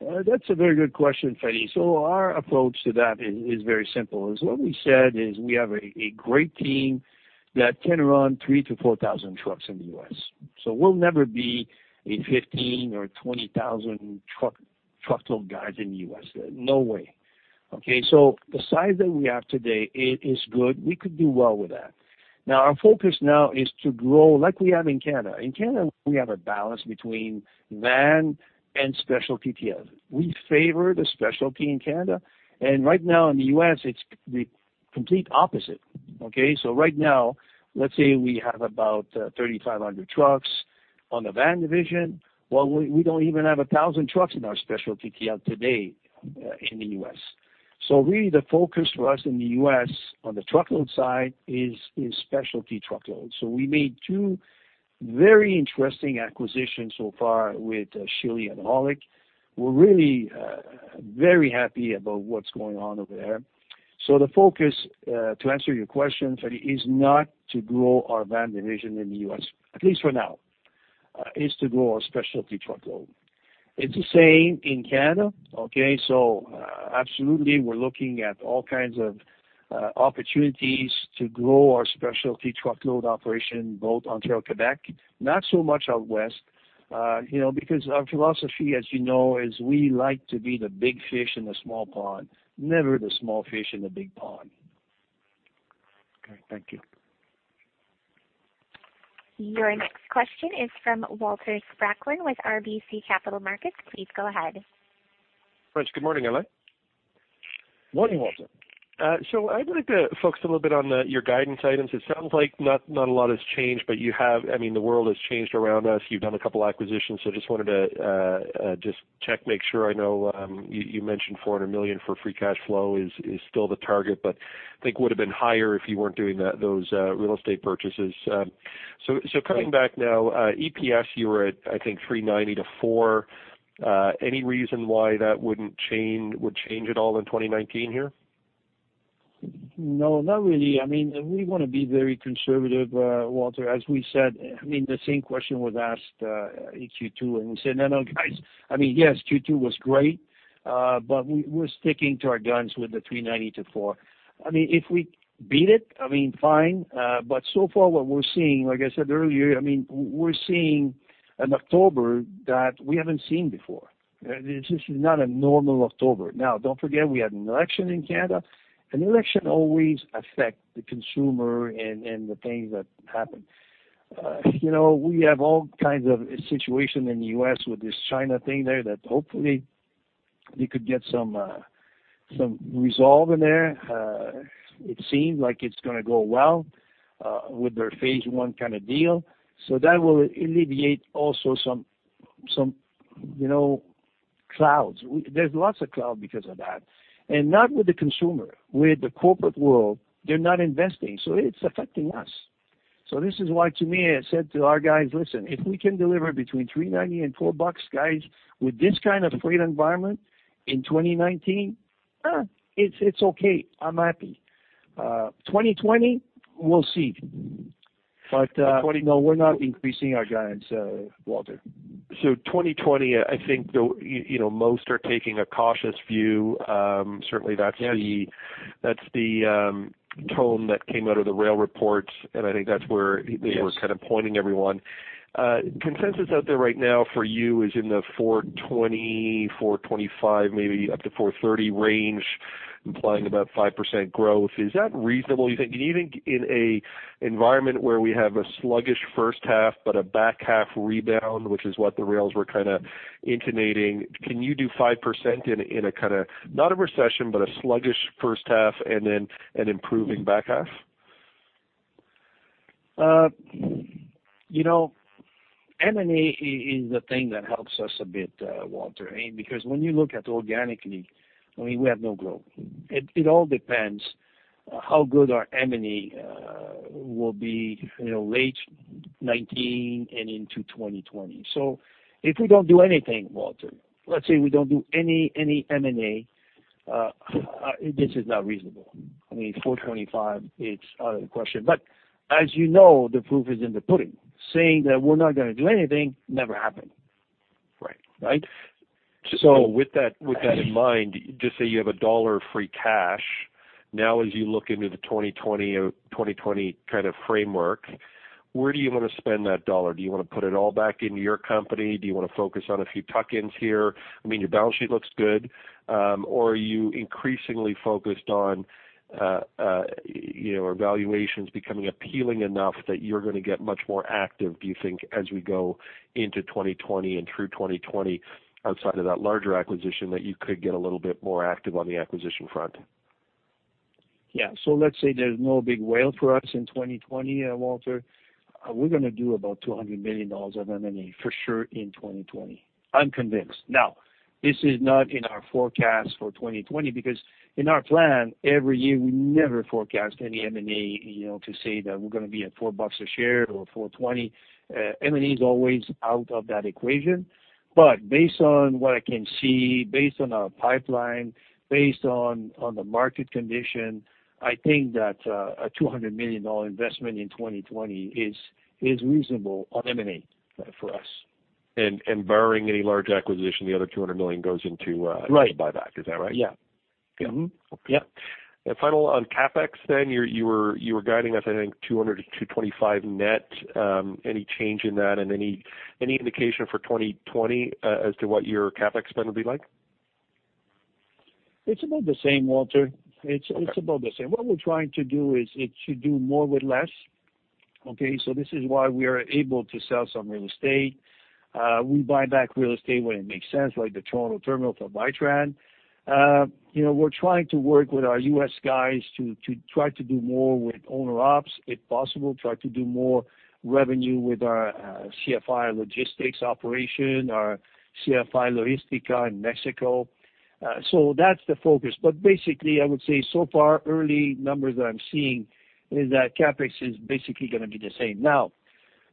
That's a very good question, Fadi. Our approach to that is very simple, is what we said is we have a great team that can run 3,000-4,000 trucks in the U.S. We'll never be a 15,000 or 20,000 truckload guys in the U.S. No way. Okay? The size that we have today, it is good. We could do well with that. Our focus now is to grow like we have in Canada. In Canada, we have a balance between van and specialty TL. We favor the specialty in Canada. Right now in the U.S., it's the complete opposite. Okay? Right now, let's say we have about 3,500 trucks on the van division, while we don't even have 1,000 trucks in our specialty TL today in the U.S. Really the focus for us in the U.S. on the truckload side is specialty truckload. We made two very interesting acquisitions so far with Schilli and Aulick. We're really very happy about what's going on over there. The focus, to answer your question, Fadi, is not to grow our van division in the U.S., at least for now. It's to grow our specialty truckload. It's the same in Canada. Okay? Absolutely, we're looking at all kinds of opportunities to grow our specialty truckload operation in both Ontario, Quebec, not so much out west. Because our philosophy, as you know, is we like to be the big fish in a small pond, never the small fish in a big pond. Okay. Thank you. Your next question is from Walter Spracklin with RBC Capital Markets. Please go ahead. French, good morning, Alain. Morning, Walter. I would like to focus a little bit on your guidance items. It sounds like not a lot has changed, but the world has changed around us. You've done a couple acquisitions, just wanted to just check, make sure I know. You mentioned 400 million for free cash flow is still the target, but I think would've been higher if you weren't doing those real estate purchases. Coming back now, EPS, you were at, I think, 3.90-4 Any reason why that would change at all in 2019 here? No, not really. We want to be very conservative, Walter, as we said. The same question was asked in Q2. We said, "No, guys." Yes, Q2 was great. We're sticking to our guns with the 3.90 to 4. If we beat it, fine. So far what we're seeing, like I said earlier, we're seeing an October that we haven't seen before. This is not a normal October. Now, don't forget, we had an election in Canada. An election always affects the consumer and the things that happen. We have all kinds of situation in the U.S. with this China thing there that hopefully they could get some resolve in there. It seems like it's going to go well with their phase one kind of deal. That will alleviate also some clouds. There's lots of cloud because of that, and not with the consumer. With the corporate world, they're not investing, so it's affecting us. This is why, to me, I said to our guys, "Listen, if we can deliver between 3.90 and 4 bucks, guys, with this kind of freight environment in 2019, it's okay. I'm happy." 2020, we'll see. 2020- No, we're not increasing our guidance, Walter. 2020, I think most are taking a cautious view. Yes tone that came out of the rail reports, and I think that's where. Yes they were kind of pointing everyone. Consensus out there right now for you is in the 420, 425, maybe up to 430 range, implying about 5% growth. Is that reasonable, you think? Do you think in an environment where we have a sluggish first half but a back half rebound, which is what the rails were kind of intimating, can you do 5% in a kind of not a recession, but a sluggish first half and then an improving back half? M&A is a thing that helps us a bit, Walter. When you look at organically, we have no growth. It all depends how good our M&A will be late 2019 and into 2020. If we don't do anything, Walter, let's say we don't do any M&A, this is not reasonable. Okay. 425, it's out of the question. As you know, the proof is in the pudding. Saying that we're not going to do anything never happened. Right. Right? With that in mind, just say you have CAD 1 of free cash. As you look into the 2020 kind of framework, where do you want to spend that CAD 1? Do you want to put it all back into your company? Do you want to focus on a few tuck-ins here? Your balance sheet looks good. Are you increasingly focused on evaluations becoming appealing enough that you're going to get much more active, do you think, as we go into 2020 and through 2020, outside of that larger acquisition, that you could get a little bit more active on the acquisition front? Yeah. let's say there's no big whale for us in 2020, Walter. We're going to do about 200 million dollars of M&A for sure in 2020. I'm convinced. Now, this is not in our forecast for 2020 because in our plan, every year, we never forecast any M&A, to say that we're going to be at 4.00 bucks a share or 4.20. M&A is always out of that equation. Based on what I can see, based on our pipeline, based on the market condition, I think that a 200 million dollar investment in 2020 is reasonable on M&A for us. Barring any large acquisition, the other 200 million goes into Right the buyback. Is that right? Yeah. Okay. Mm-hmm. Yep. Final on CapEx, then, you were guiding us, I think, 200-225 net. Any change in that and any indication for 2020 as to what your CapEx spend will be like? It's about the same, Walter. Okay. It's about the same. What we're trying to do is to do more with less, okay? This is why we are able to sell some real estate. We buy back real estate when it makes sense, like the Toronto terminal from Vitran. We're trying to work with our U.S. guys to try to do more with owner ops, if possible. Try to do more revenue with our CFI Logística operation, our CFI Logística in Mexico. That's the focus. Basically, I would say so far, early numbers that I'm seeing is that CapEx is basically going to be the same. Now,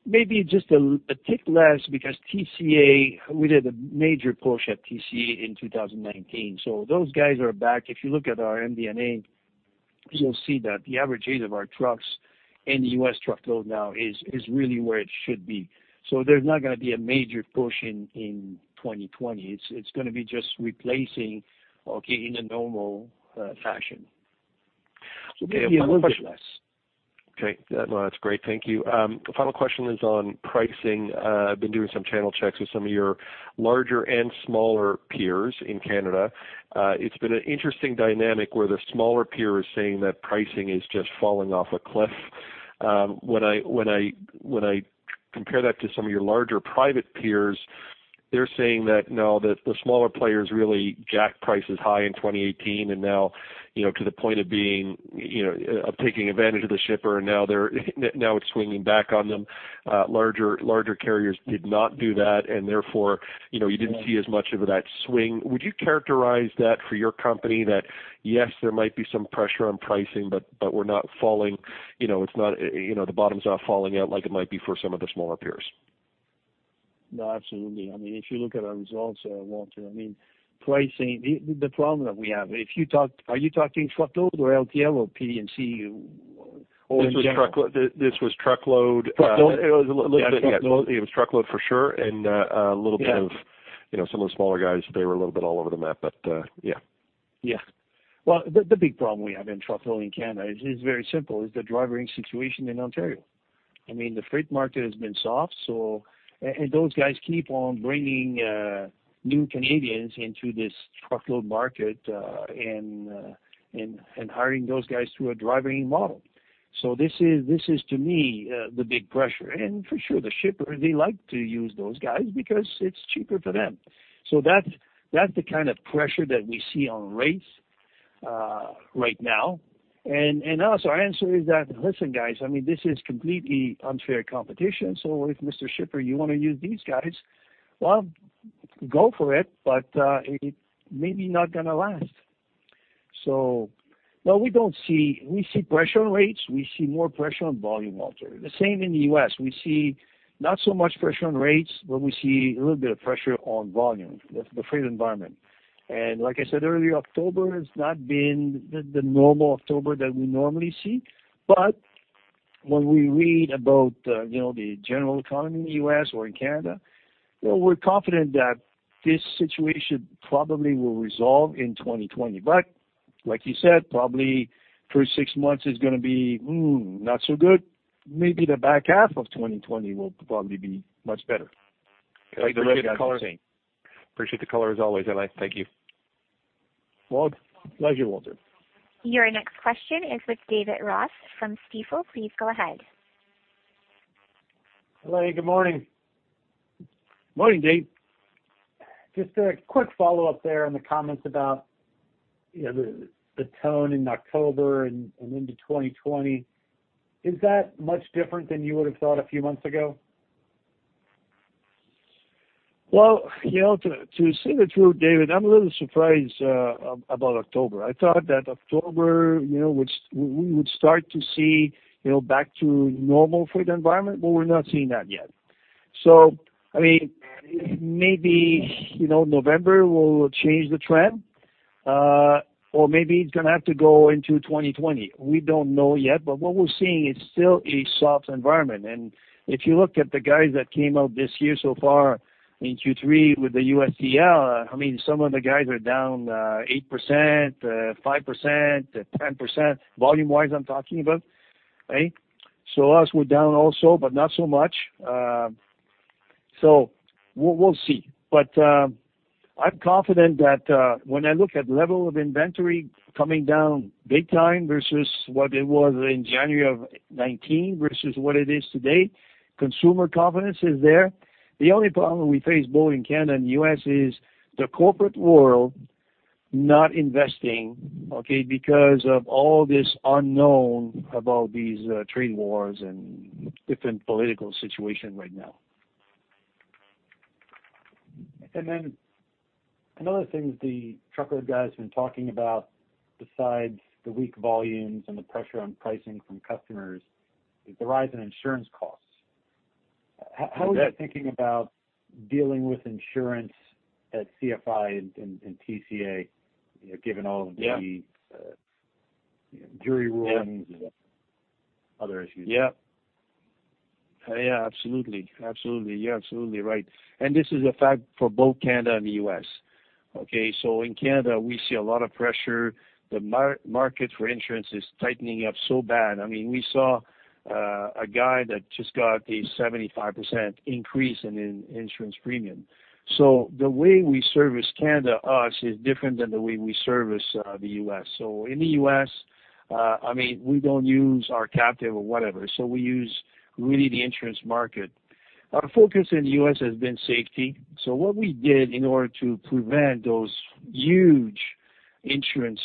maybe just a tick less because TCA, we did a major push at TCA in 2019. Those guys are back. If you look at our MD&A, you'll see that the average age of our trucks in the U.S. truckload now is really where it should be. There's not going to be a major push in 2020. It's going to be just replacing, okay, in a normal fashion. It'll be a little bit less. Okay. No, that's great. Thank you. Final question is on pricing. I've been doing some channel checks with some of your larger and smaller peers in Canada. It's been an interesting dynamic where the smaller peer is saying that pricing is just falling off a cliff. When I compare that to some of your larger private peers. They're saying that no, the smaller players really jacked prices high in 2018, and now to the point of taking advantage of the shipper, and now it's swinging back on them. Larger carriers did not do that, and therefore, you didn't see as much of that swing. Would you characterize that for your company that, yes, there might be some pressure on pricing, but the bottom's not falling out like it might be for some of the smaller peers? No, absolutely. If you look at our results, Walter, the problem that we have. Are you talking truckload or LTL or P&C in general? This was Truckload. Truckload? It was Truckload for sure, and a little bit of some of the smaller guys, they were a little bit all over the map, but yeah. Yeah. Well, the big problem we have in truckload in Canada is very simple, is the Driver Inc. situation in Ontario. The freight market has been soft. Those guys keep on bringing new Canadians into this truckload market and hiring those guys through a Driver Inc. model. This is to me the big pressure. For sure, the shipper, they like to use those guys because it's cheaper for them. That's the kind of pressure that we see on rates right now. Also our answer is that, "Listen, guys, this is completely unfair competition, so if Mr. Shipper, you want to use these guys, well, go for it, but it may be not going to last." No, we see pressure on rates. We see more pressure on volume, Walter. The same in the U.S. We see not so much pressure on rates, but we see a little bit of pressure on volume, the freight environment. Like I said earlier, October has not been the normal October that we normally see. When we read about the general economy in the U.S. or in Canada, we're confident that this situation probably will resolve in 2020. Like you said, probably first six months is going to be not so good. Maybe the back half of 2020 will probably be much better. Like the rest of the team. Appreciate the color as always, Alain. Thank you. Well, pleasure, Walter. Your next question is with David Ross from Stifel. Please go ahead. Hello. Good morning. Morning, Dave. Just a quick follow-up there on the comments about the tone in October and into 2020. Is that much different than you would've thought a few months ago? Well, to say the truth, David, I'm a little surprised about October. I thought that October, we would start to see back to normal freight environment, but we're not seeing that yet. Maybe November will change the trend. Or maybe it's going to have to go into 2020. We don't know yet. What we're seeing is still a soft environment. If you look at the guys that came out this year so far in Q3 with the US TL, some of the guys are down 8%, 5%, 10%, volume wise, I'm talking about, right? Us, we're down also, but not so much. We'll see. I'm confident that when I look at level of inventory coming down big time versus what it was in January of 2019 versus what it is today, consumer confidence is there. The only problem we face both in Canada and U.S. is the corporate world not investing, okay, because of all this unknown about these trade wars and different political situation right now. Another thing the truckload guys have been talking about besides the weak volumes and the pressure on pricing from customers is the rise in insurance costs. You bet. How are you thinking about dealing with insurance at CFI and TCA given all of the jury rulings and other issues? Absolutely. You're absolutely right. This is a fact for both Canada and the U.S. In Canada, we see a lot of pressure. The market for insurance is tightening up so bad. We saw a guy that just got a 75% increase in insurance premium. The way we service Canada, U.S., is different than the way we service the U.S. In the U.S. we don't use our captive or whatever, we use really the insurance market. Our focus in the U.S. has been safety. What we did in order to prevent those huge insurance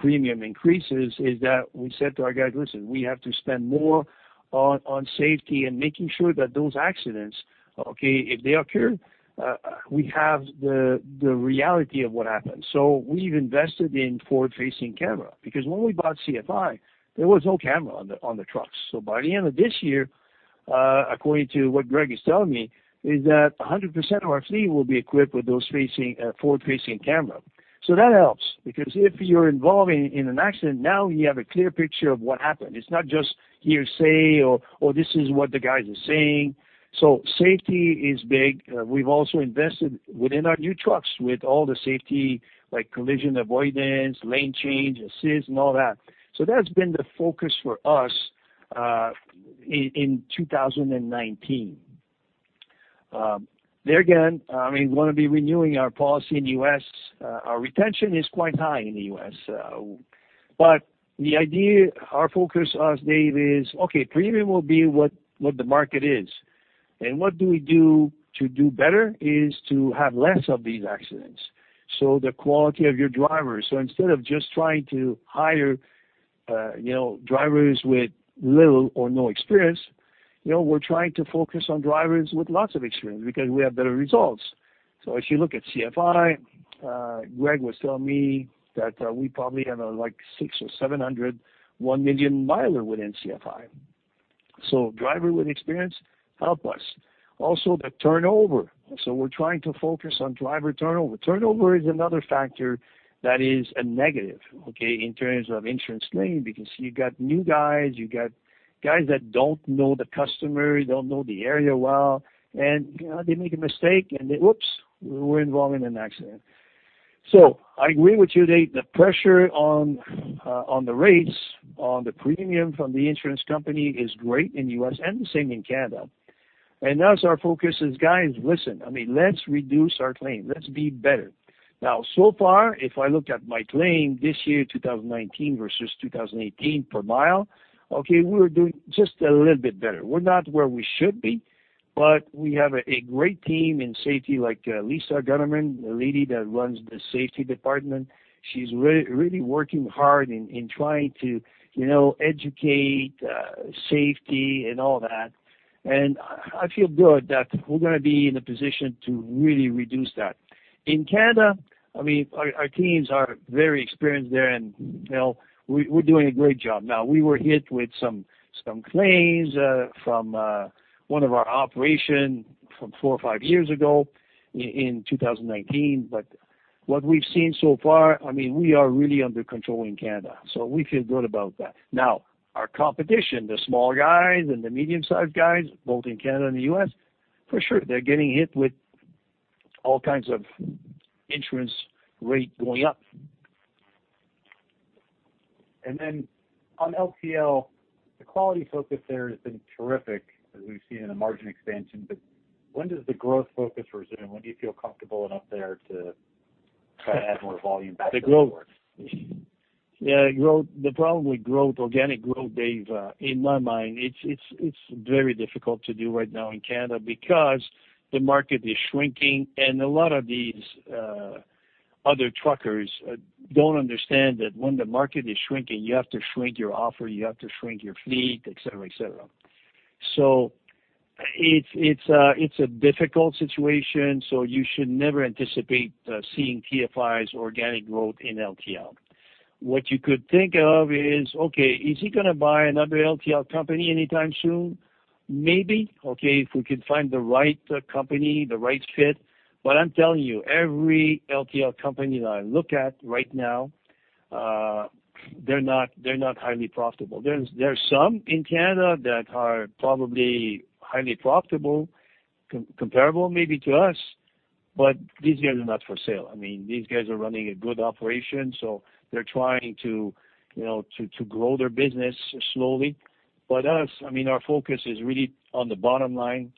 premium increases is that we said to our guys, "Listen, we have to spend more on safety and making sure that those accidents, okay, if they occur, we have the reality of what happened." We've invested in forward-facing camera because when we bought CFI, there was no camera on the trucks. By the end of this year, according to what Greg is telling me, is that 100% of our fleet will be equipped with those forward-facing camera. That helps because if you're involved in an accident, now you have a clear picture of what happened. It's not just hearsay or this is what the guys are saying. Safety is big. We've also invested within our new trucks with all the safety like collision avoidance, lane change assist, and all that. That's been the focus for us in 2019. There again, we want to be renewing our policy in U.S. Our retention is quite high in the U.S. The idea, our focus, Dave, is, okay, premium will be what the market is. What do we do to do better is to have less of these accidents. The quality of your drivers. Instead of just trying to hire drivers with little or no experience, we're trying to focus on drivers with lots of experience, because we have better results. If you look at TFI, Greg was telling me that we probably have like 600 or 700, 1 million miler within TFI. Driver with experience help us. Also, the turnover. We're trying to focus on driver turnover. Turnover is another factor that is a negative, okay, in terms of insurance claim, because you got new guys, you got guys that don't know the customer, don't know the area well, and they make a mistake, and then oops, we're involved in an accident. I agree with you, Dave. The pressure on the rates, on the premium from the insurance company is great in U.S. and the same in Canada. Thus, our focus is, guys, listen, let's reduce our claim. Let's be better. Now, so far, if I look at my claim this year, 2019 versus 2018 per mile, okay, we're doing just a little bit better. We're not where we should be, but we have a great team in safety like Lisa Gonnerman, the lady that runs the safety department. She's really working hard in trying to educate safety and all that. I feel good that we're going to be in a position to really reduce that. In Canada, our teams are very experienced there, and we're doing a great job. We were hit with some claims from one of our operations from four or five years ago in 2019. What we've seen so far, we are really under control in Canada, so we feel good about that. Our competition, the small guys and the medium-sized guys, both in Canada and the U.S., for sure, they're getting hit with all kinds of insurance rate going up. On LTL, the quality focus there has been terrific as we've seen in the margin expansion. When does the growth focus resume? When do you feel comfortable enough there to try to add more volume back to the board? The growth. Yeah, the problem with organic growth, Dave, in my mind, it's very difficult to do right now in Canada because the market is shrinking, and a lot of these other truckers don't understand that when the market is shrinking, you have to shrink your offer, you have to shrink your fleet, et cetera. So it's a difficult situation, so you should never anticipate seeing TFI's organic growth in LTL. What you could think of is, okay, is he going to buy another LTL company anytime soon? Maybe, okay, if we could find the right company, the right fit. I'm telling you, every LTL company that I look at right now, they're not highly profitable. There's some in Canada that are probably highly profitable, comparable maybe to us, but these guys are not for sale. These guys are running a good operation, so they're trying to grow their business slowly. Us, our focus is really on the bottom line.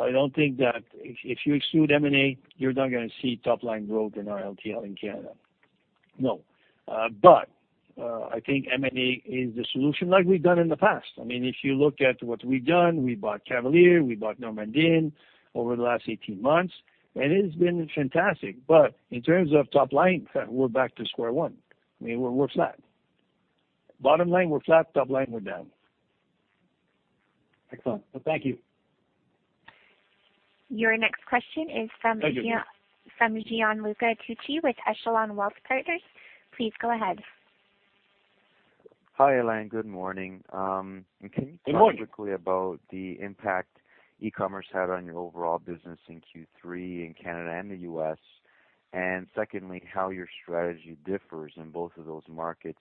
I don't think that if you exclude M&A, you're not going to see top-line growth in our LTL in Canada. No. I think M&A is the solution like we've done in the past. If you look at what we've done, we bought Cavalier, we bought Normandin over the last 18 months, and it has been fantastic. In terms of top line, we're back to square one. We're flat. Bottom line, we're flat. Top line, we're down. Excellent. Thank you. Your next question is from. Thank you. Gianluca Tucci with Echelon Wealth Partners. Please go ahead. Hi, Alain. Good morning. Good morning. Can you talk quickly about the impact e-commerce had on your overall business in Q3 in Canada and the U.S.? Secondly, how your strategy differs in both of those markets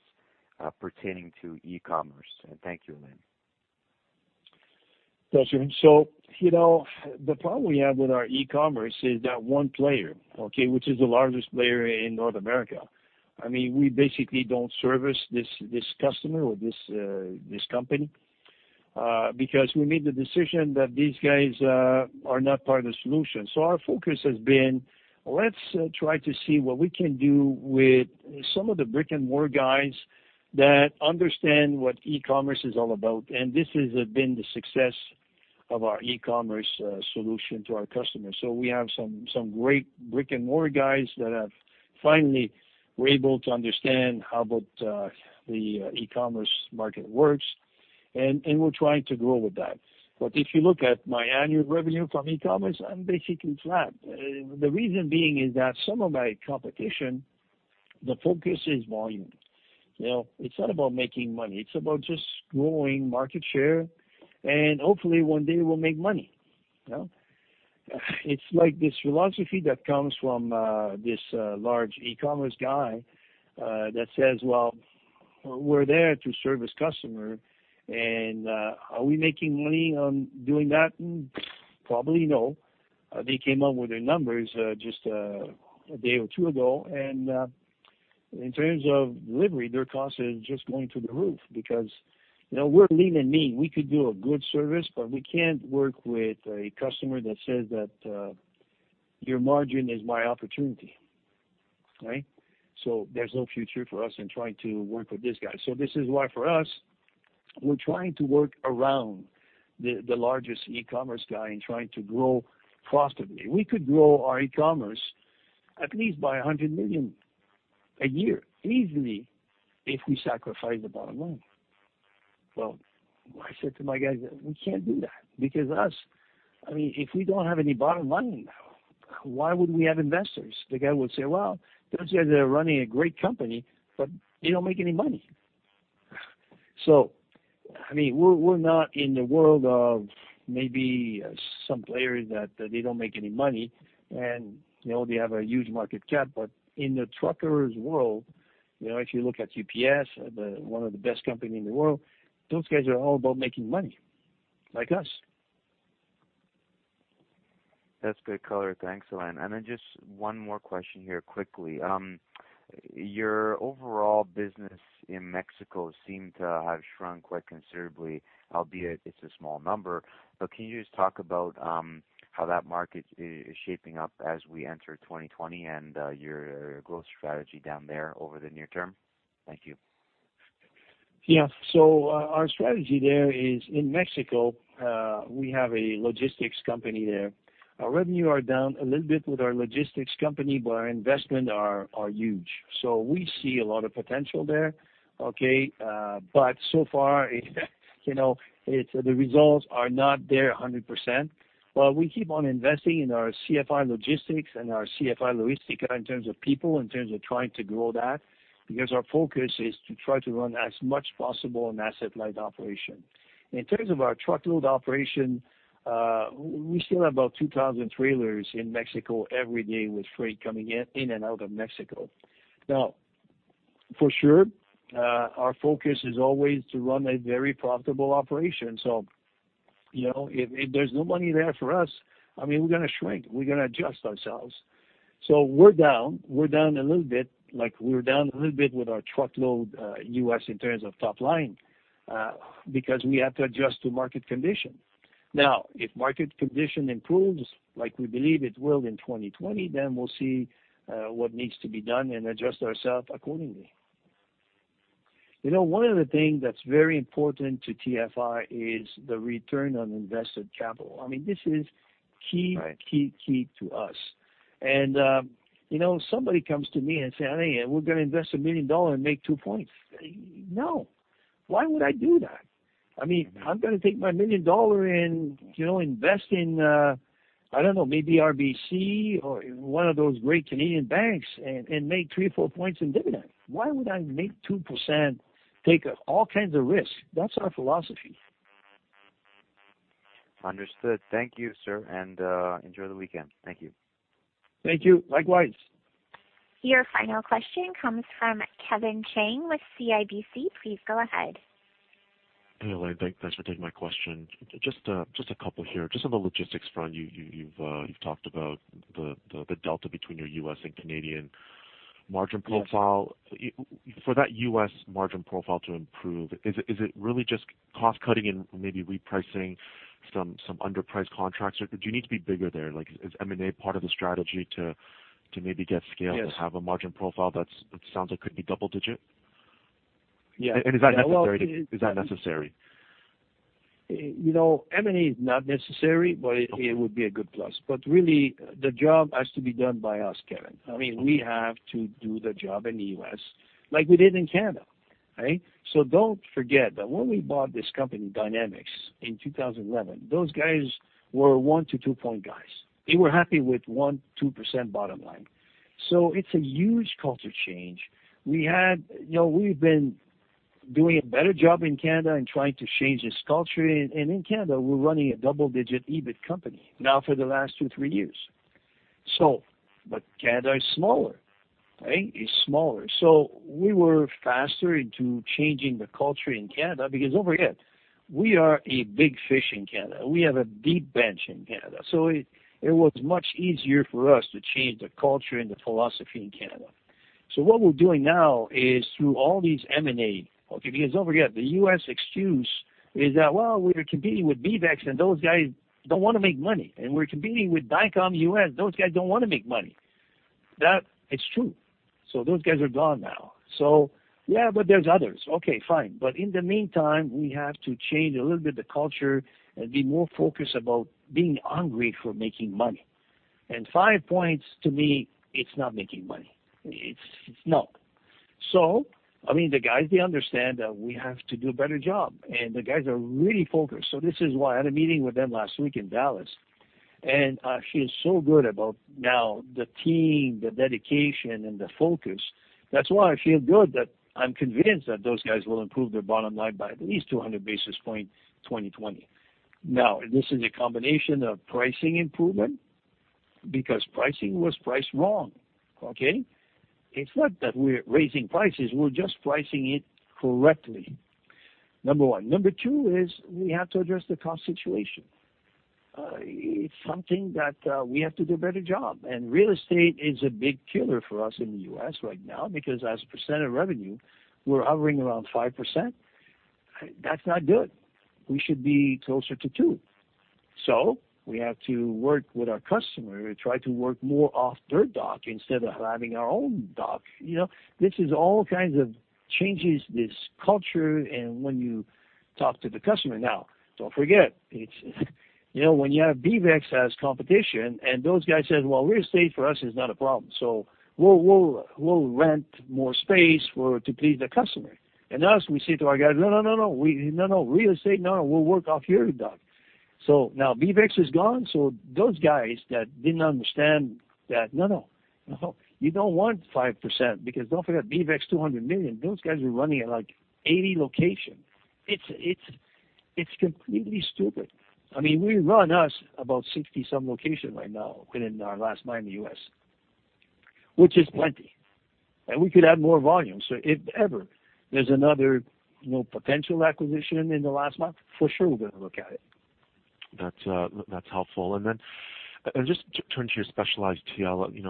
pertaining to e-commerce. Thank you, Alain. Pleasure. The problem we have with our e-commerce is that one player, okay, which is the largest player in North America. We basically don't service this customer or this company, because we made the decision that these guys are not part of the solution. Our focus has been, let's try to see what we can do with some of the brick-and-mortar guys that understand what e-commerce is all about, and this has been the success of our e-commerce solution to our customers. We have some great brick-and-mortar guys that have finally were able to understand how the e-commerce market works, and we're trying to grow with that. If you look at my annual revenue from e-commerce, I'm basically flat. The reason being is that some of my competition, the focus is volume. It's not about making money, it's about just growing market share, and hopefully one day we'll make money. It's like this philosophy that comes from this large e-commerce guy that says, "Well, we're there to service customer." Are we making money on doing that? Probably no. They came out with their numbers just a day or two ago, and in terms of delivery, their cost is just going through the roof because we're lean and mean. We could do a good service, but we can't work with a customer that says that your margin is my opportunity, right? There's no future for us in trying to work with this guy. This is why for us, we're trying to work around the largest e-commerce guy and trying to grow profitably. We could grow our e-commerce at least by 100 million a year easily, if we sacrifice the bottom line. Well, I said to my guys that, "We can't do that." Us, if we don't have any bottom money now, why would we have investors? The guy would say, "Well, those guys are running a great company, but they don't make any money." We're not in the world of maybe some players that they don't make any money, and they have a huge market cap, but in the truckers world, if you look at UPS, one of the best company in the world, those guys are all about making money, like us. That's good color. Thanks, Alain. Just one more question here quickly. Your overall business in Mexico seemed to have shrunk quite considerably, albeit it's a small number. Can you just talk about how that market is shaping up as we enter 2020 and your growth strategy down there over the near term? Thank you. Our strategy there is in Mexico, we have a logistics company there. Our revenue are down a little bit with our logistics company, but our investment are huge. We see a lot of potential there. Okay? So far, the results are not there 100%. We keep on investing in our TFI Logistics and our CFI Logistica in terms of people, in terms of trying to grow that, because our focus is to try to run as much possible an asset-light operation. In terms of our truckload operation, we still have about 2,000 trailers in Mexico every day with freight coming in and out of Mexico. For sure, our focus is always to run a very profitable operation. If there's no money there for us, we're going to shrink. We're going to adjust ourselves. We're down a little bit, like we're down a little bit with our truckload U.S. in terms of top line, because we have to adjust to market condition. Now, if market condition improves like we believe it will in 2020, then we'll see what needs to be done and adjust ourself accordingly. One of the things that's very important to TFI is the return on invested capital. This is key. Right key to us. Somebody comes to me and say, "Hey, we're going to invest 1 million dollars and make two points." No. Why would I do that? I'm going to take my 1 million dollar and invest in, I don't know, maybe RBC or one of those great Canadian banks and make three or four points in dividend. Why would I make 2%, take all kinds of risks? That's our philosophy. Understood. Thank you, sir, and enjoy the weekend. Thank you. Thank you. Likewise. Your final question comes from Kevin Chiang with CIBC. Please go ahead. Hey, Alain. Thanks for taking my question. Just a couple here. Just on the logistics front, you've talked about the delta between your U.S. and Canadian margin profile. Yes. For that U.S. margin profile to improve, is it really just cost cutting and maybe repricing some underpriced contracts? Do you need to be bigger there? Is M&A part of the strategy to maybe get scale? Yes to have a margin profile that sounds like could be double digit? Yeah. Is that necessary? M&A is not necessary, it would be a good plus. Really, the job has to be done by us, Kevin. We have to do the job in the U.S., like we did in Canada. Right? Don't forget that when we bought this company, Dynamex, in 2011, those guys were one to two-point guys. They were happy with 1%, 2% bottom line. It's a huge culture change. We've been doing a better job in Canada and trying to change its culture. In Canada, we're running a double-digit EBIT company now for the last two, three years. Canada is smaller. Right? It's smaller. We were faster into changing the culture in Canada because don't forget, we are a big fish in Canada. We have a deep bench in Canada. It was much easier for us to change the culture and the philosophy in Canada. What we're doing now is through all these M&A, because don't forget, the U.S. excuse is that, "Well, we're competing with BeavEx and those guys don't want to make money, and we're competing with Dicom US, those guys don't want to make money." That is true. Those guys are gone now. Yeah, but there's others. Okay, fine. In the meantime, we have to change a little bit the culture and be more focused about being hungry for making money. Five points to me, it's not making money. It's not. The guys, they understand that we have to do a better job, and the guys are really focused. This is why I had a meeting with them last week in Dallas, and I feel so good about now the team, the dedication, and the focus. That's why I feel good that I'm convinced that those guys will improve their bottom line by at least 200 basis points 2020. This is a combination of pricing improvement, because pricing was priced wrong. Okay. It's not that we're raising prices, we're just pricing it correctly, number 1. Number 2 is we have to address the cost situation. It's something that we have to do a better job. Real estate is a big killer for us in the U.S. right now because as a percent of revenue, we're hovering around 5%. That's not good. We should be closer to two. We have to work with our customer to try to work more off their dock instead of having our own dock. This is all kinds of changes, this culture, and when you talk to the customer. Don't forget, when you have BeavEx as competition and those guys said, "Well, real estate for us is not a problem, so we'll rent more space to please the customer." Us, we say to our guys, "No, real estate, no." We'll work off your dock. Now BeavEx is gone, those guys that didn't understand that, no. You don't want 5%, because don't forget, BeavEx, 200 million, those guys were running at like 80 locations. It's completely stupid. We run, us, about 60-some locations right now within our last mile in the U.S., which is plenty. We could add more volume. If ever there's another potential acquisition in the last mile, for sure we're going to look at it. That's helpful. Then just turn to your Specialized TL.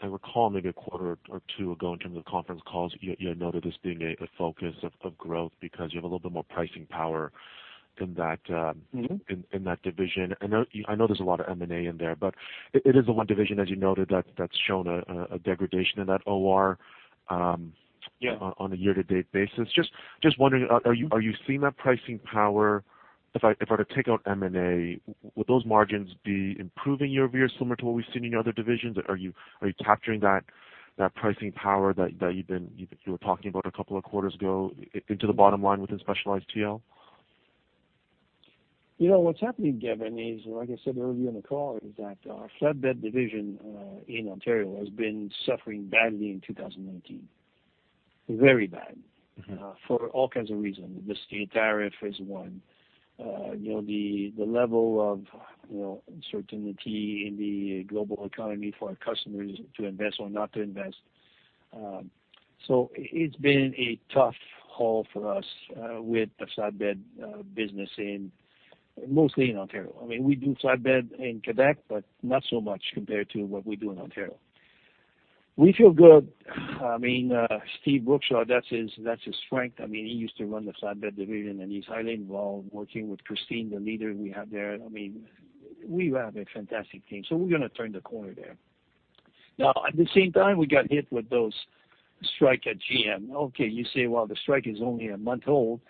I recall maybe a quarter or two ago, in terms of conference calls, you noted this being a focus of growth because you have a little bit more pricing power in that. division. I know there's a lot of M&A in there, but it is the one division, as you noted, that's shown a degradation in that OR- Yeah on a year-to-date basis. Just wondering, are you seeing that pricing power? If I were to take out M&A, would those margins be improving year-over-year, similar to what we've seen in your other divisions? Are you capturing that pricing power that you were talking about a couple of quarters ago into the bottom line within specialized TL? What's happening, Kevin, is, like I said earlier in the call, is that our flatbed division in Ontario has been suffering badly in 2019. Very bad. For all kinds of reasons. The steel tariff is one. The level of uncertainty in the global economy for our customers to invest or not to invest. It's been a tough haul for us with the flatbed business mostly in Ontario. We do flatbed in Quebec, but not so much compared to what we do in Ontario. We feel good. Steven Brookshaw, that's his strength. He used to run the flatbed division, and he's highly involved working with Christine, the leader we have there. We have a fantastic team, so we're going to turn the corner there. At the same time, we got hit with those strike at GM. You say, well, the strike is only one month old,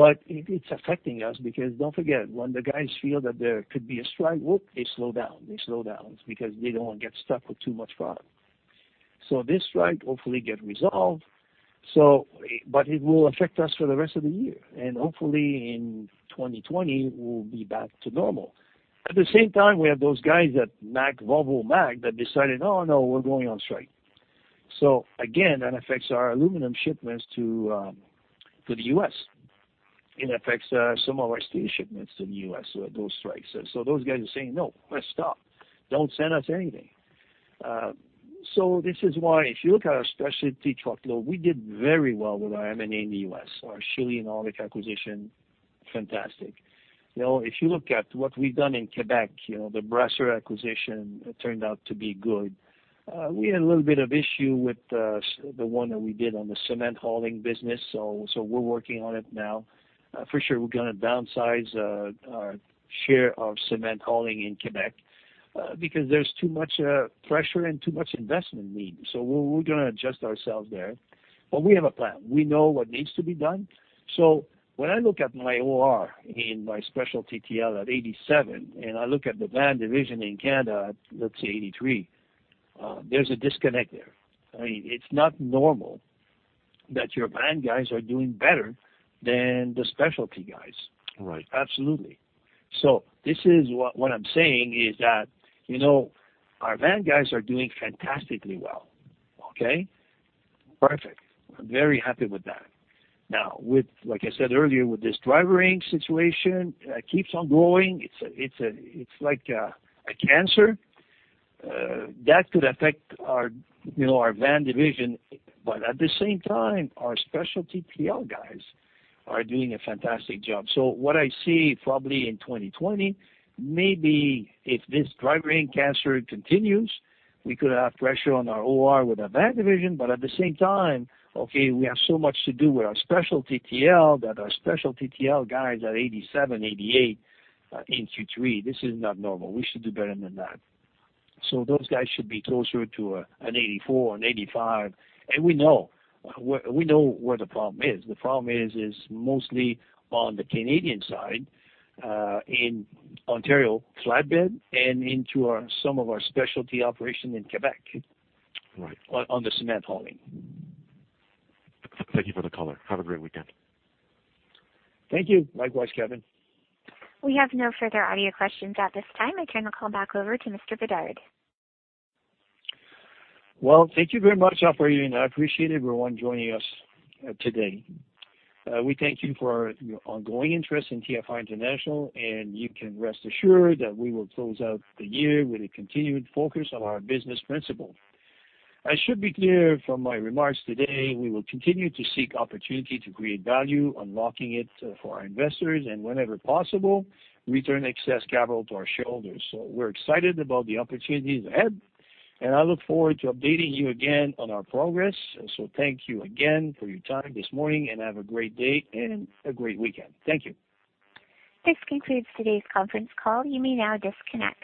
but it's affecting us because don't forget, when the guys feel that there could be a strike, they slow down. They slow down because they don't want to get stuck with too much product. This strike hopefully get resolved, but it will affect us for the rest of the year. Hopefully, in 2020, we'll be back to normal. At the same time, we have those guys at Volvo Mack that decided, oh, no, we're going on strike. Again, that affects our aluminum shipments to the U.S. It affects some of our steel shipments in the U.S., those strikes. Those guys are saying, "No, we're stopped. Don't send us anything." This is why, if you look at our specialty truckload, we did very well with our M&A in the U.S. Our Schilli and Arctic acquisition, fantastic. If you look at what we've done in Quebec, the Brasseur acquisition turned out to be good. We had a little bit of issue with the one that we did on the cement hauling business. We're working on it now. For sure, we're going to downsize our share of cement hauling in Quebec, because there's too much pressure and too much investment needed. We're going to adjust ourselves there. We have a plan. We know what needs to be done. When I look at my OR in my specialty TL at 87, and I look at the van division in Canada at, let's say, 83, there's a disconnect there. It's not normal that your van guys are doing better than the specialty guys. Right. Absolutely. This is what I'm saying is that, our van guys are doing fantastically well. Okay. Perfect. I'm very happy with that. Like I said earlier, with this Driver Inc. situation, it keeps on growing. It's like a cancer. That could affect our van division. At the same time, our specialty TL guys are doing a fantastic job. What I see probably in 2020, maybe if this Driver Inc. cancer continues, we could have pressure on our OR with our van division. At the same time, okay, we have so much to do with our specialty TL that our specialty TL guys are 87, 88 in Q3. This is not normal. We should do better than that. Those guys should be closer to an 84, an 85. We know where the problem is. The problem is mostly on the Canadian side, in Ontario flatbed and into some of our specialty operation in Quebec. Right. On the cement hauling. Thank you for the color. Have a great weekend. Thank you. Likewise, Kevin. We have no further audio questions at this time. I turn the call back over to Mr. Bédard. Well, thank you very much, operator. I appreciate everyone joining us today. We thank you for your ongoing interest in TFI International, and you can rest assured that we will close out the year with a continued focus on our business principle. As should be clear from my remarks today, we will continue to seek opportunity to create value, unlocking it for our investors, and whenever possible, return excess capital to our shareholders. We're excited about the opportunities ahead, and I look forward to updating you again on our progress. Thank you again for your time this morning, and have a great day and a great weekend. Thank you. This concludes today's conference call. You may now disconnect.